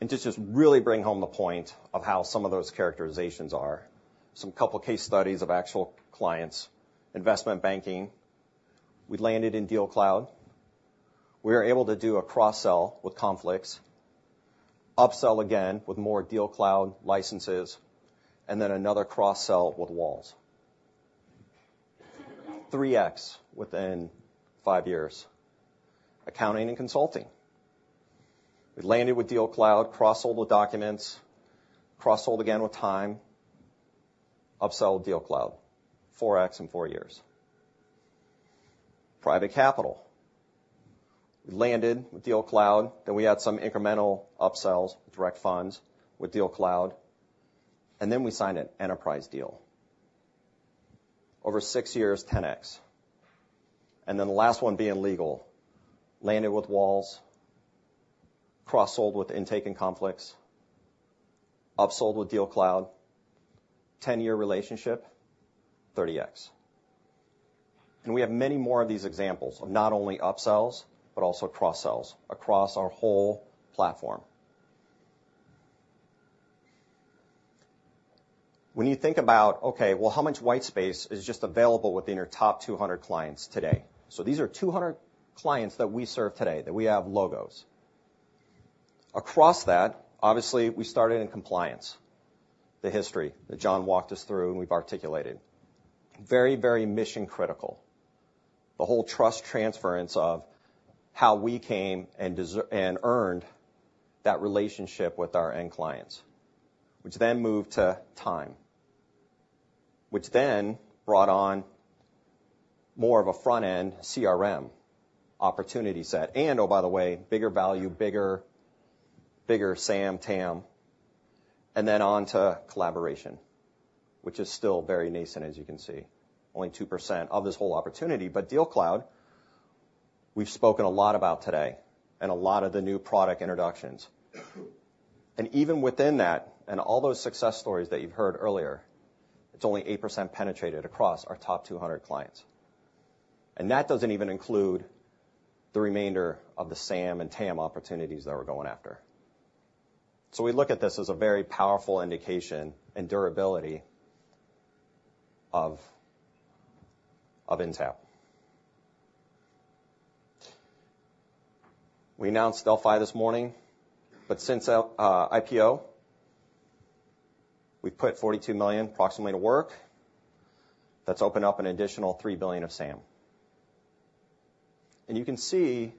And to just really bring home the point of how some of those characterizations are, some couple of case studies of actual clients. Investment banking, we landed in DealCloud. We were able to do a cross-sell with Conflicts, upsell again with more DealCloud licenses, and then another cross-sell with Walls. 3x within 5 years, accounting and consulting. We landed with DealCloud, cross-sold with Documents, cross-sold again with Time, upsell with DealCloud, 4x in 4 years. Private capital, we landed with DealCloud. Then we had some incremental upsells with direct funds with DealCloud. And then we signed an enterprise deal, over 6 years, 10x. And then the last one being legal, landed with Walls, cross-sold with Intake and Conflicts, upsold with DealCloud, 10-year relationship, 30x. And we have many more of these examples of not only upsells but also cross-sells across our whole platform. When you think about, okay, well, how much whitespace is just available within your top 200 clients today? So these are 200 clients that we serve today that we have logos. Across that, obviously, we started in compliance, the history that John walked us through and we've articulated, very, very mission-critical, the whole trust transference of how we came and earned that relationship with our end clients, which then moved to Time, which then brought on more of a front-end CRM opportunity set. And oh, by the way, bigger value, bigger SAM, TAM, and then on to collaboration, which is still very nascent, as you can see, only 2% of this whole opportunity. But DealCloud, we've spoken a lot about today and a lot of the new product introductions. And even within that and all those success stories that you've heard earlier, it's only 8% penetrated across our top 200 clients. And that doesn't even include the remainder of the SAM and TAM opportunities that we're going after. So we look at this as a very powerful indication and durability of Intapp. We announced Delphai this morning. But since IPO, we've put approximately $42 million to work. That's opened up an additional $3 billion of SAM. And you can see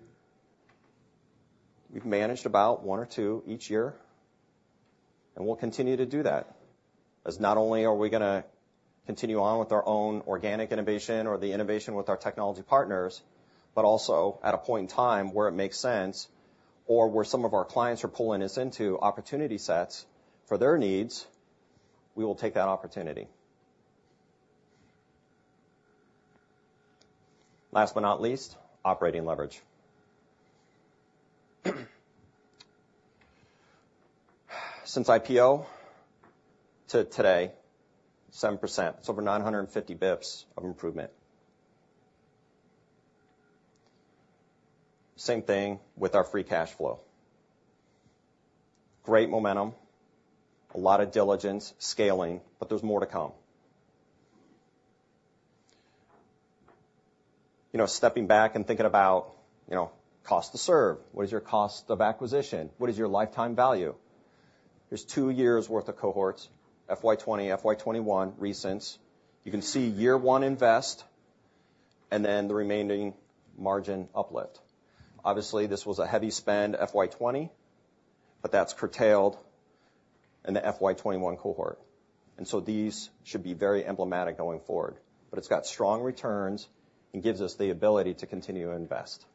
we've managed about one or two each year. And we'll continue to do that, as not only are we going to continue on with our own organic innovation or the innovation with our technology partners, but also at a point in time where it makes sense or where some of our clients are pulling us into opportunity sets for their needs, we will take that opportunity. Last but not least, operating leverage. Since IPO to today, 7%, it's over 950 basis points of improvement. Same thing with our free cash flow, great momentum, a lot of diligence, scaling, but there's more to come. Stepping back and thinking about cost to serve, what is your cost of acquisition? What is your lifetime value? Here's 2 years' worth of cohorts, FY20, FY21, recents. You can see year one invest and then the remaining margin uplift. Obviously, this was a heavy spend FY20, but that's curtailed in the FY21 cohort. And so these should be very emblematic going forward. But it's got strong returns and gives us the ability to continue to invest.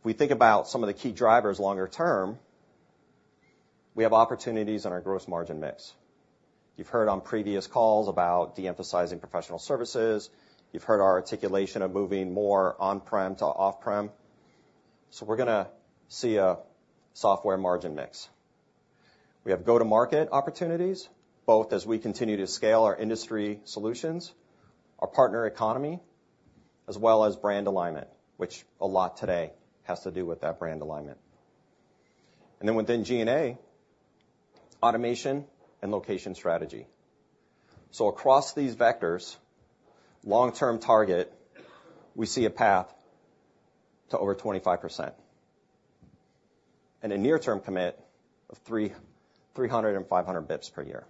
If we think about some of the key drivers longer term, we have opportunities in our gross margin mix. You've heard on previous calls about de-emphasizing professional services. You've heard our articulation of moving more on-prem to off-prem. So we're going to see a software margin mix. We have go-to-market opportunities, both as we continue to scale our industry solutions, our partner economy, as well as brand alignment, which a lot today has to do with that brand alignment. And then within G&A, automation and location strategy. So across these vectors, long-term target, we see a path to over 25% and a near-term commit of 300-500 basis points per year.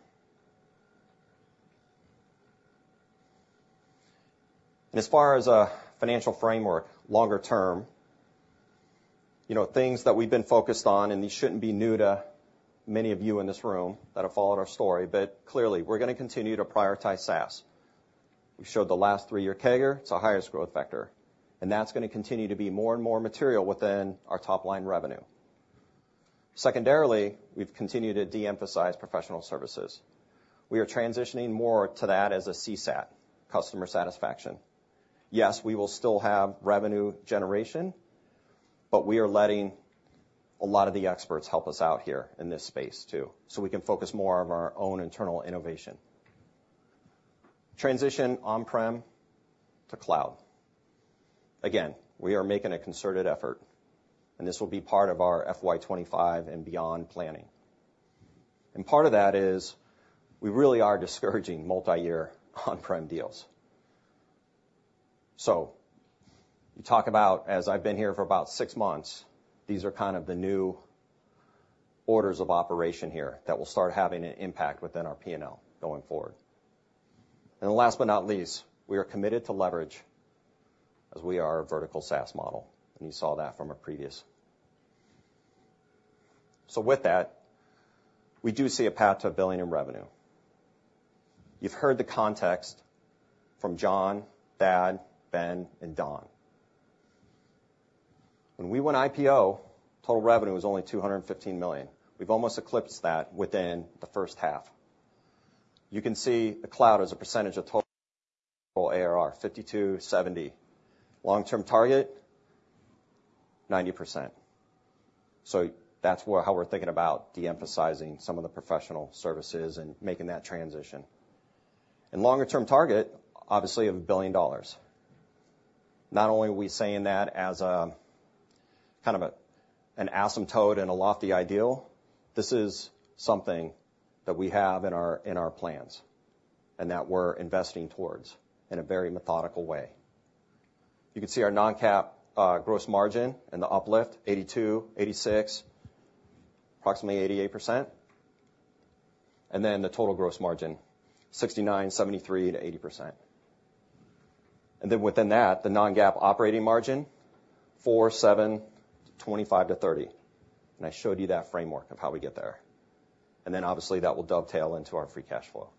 And as far as a financial framework longer term, things that we've been focused on, and these shouldn't be new to many of you in this room that have followed our story, but clearly, we're going to continue to prioritize SaaS. We showed the last 3-year CAGR. It's a highest growth vector. And that's going to continue to be more and more material within our top-line revenue. Secondarily, we've continued to de-emphasize professional services. We are transitioning more to that as a CSAT, customer satisfaction. Yes, we will still have revenue generation, but we are letting a lot of the experts help us out here in this space too so we can focus more on our own internal innovation, transition on-prem to cloud. Again, we are making a concerted effort. This will be part of our FY25 and beyond planning. Part of that is we really are discouraging multi-year on-prem deals. So you talk about, as I've been here for about six months, these are kind of the new orders of operation here that will start having an impact within our P&L going forward. Then last but not least, we are committed to leverage as we are a vertical SaaS model. You saw that from a previous. So with that, we do see a path to $1 billion in revenue. You've heard the context from John, Thad, Ben, and Don. When we went IPO, total revenue was only $215 million. We've almost eclipsed that within the first half. You can see the cloud as a percentage of total ARR, 52%-70%. Long-term target, 90%. So that's how we're thinking about de-emphasizing some of the professional services and making that transition. Longer-term target, obviously, of $1 billion. Not only are we saying that as kind of an asymptote and a lofty ideal, this is something that we have in our plans and that we're investing towards in a very methodical way. You can see our Non-GAAP gross margin and the uplift, 82%-86%, approximately 88%, and then the total gross margin, 69%, 73%-80%. Then within that, the non-GAAP operating margin, 4%, 7%, 25%-30%. I showed you that framework of how we get there. And then obviously, that will dovetail into our free cash flow.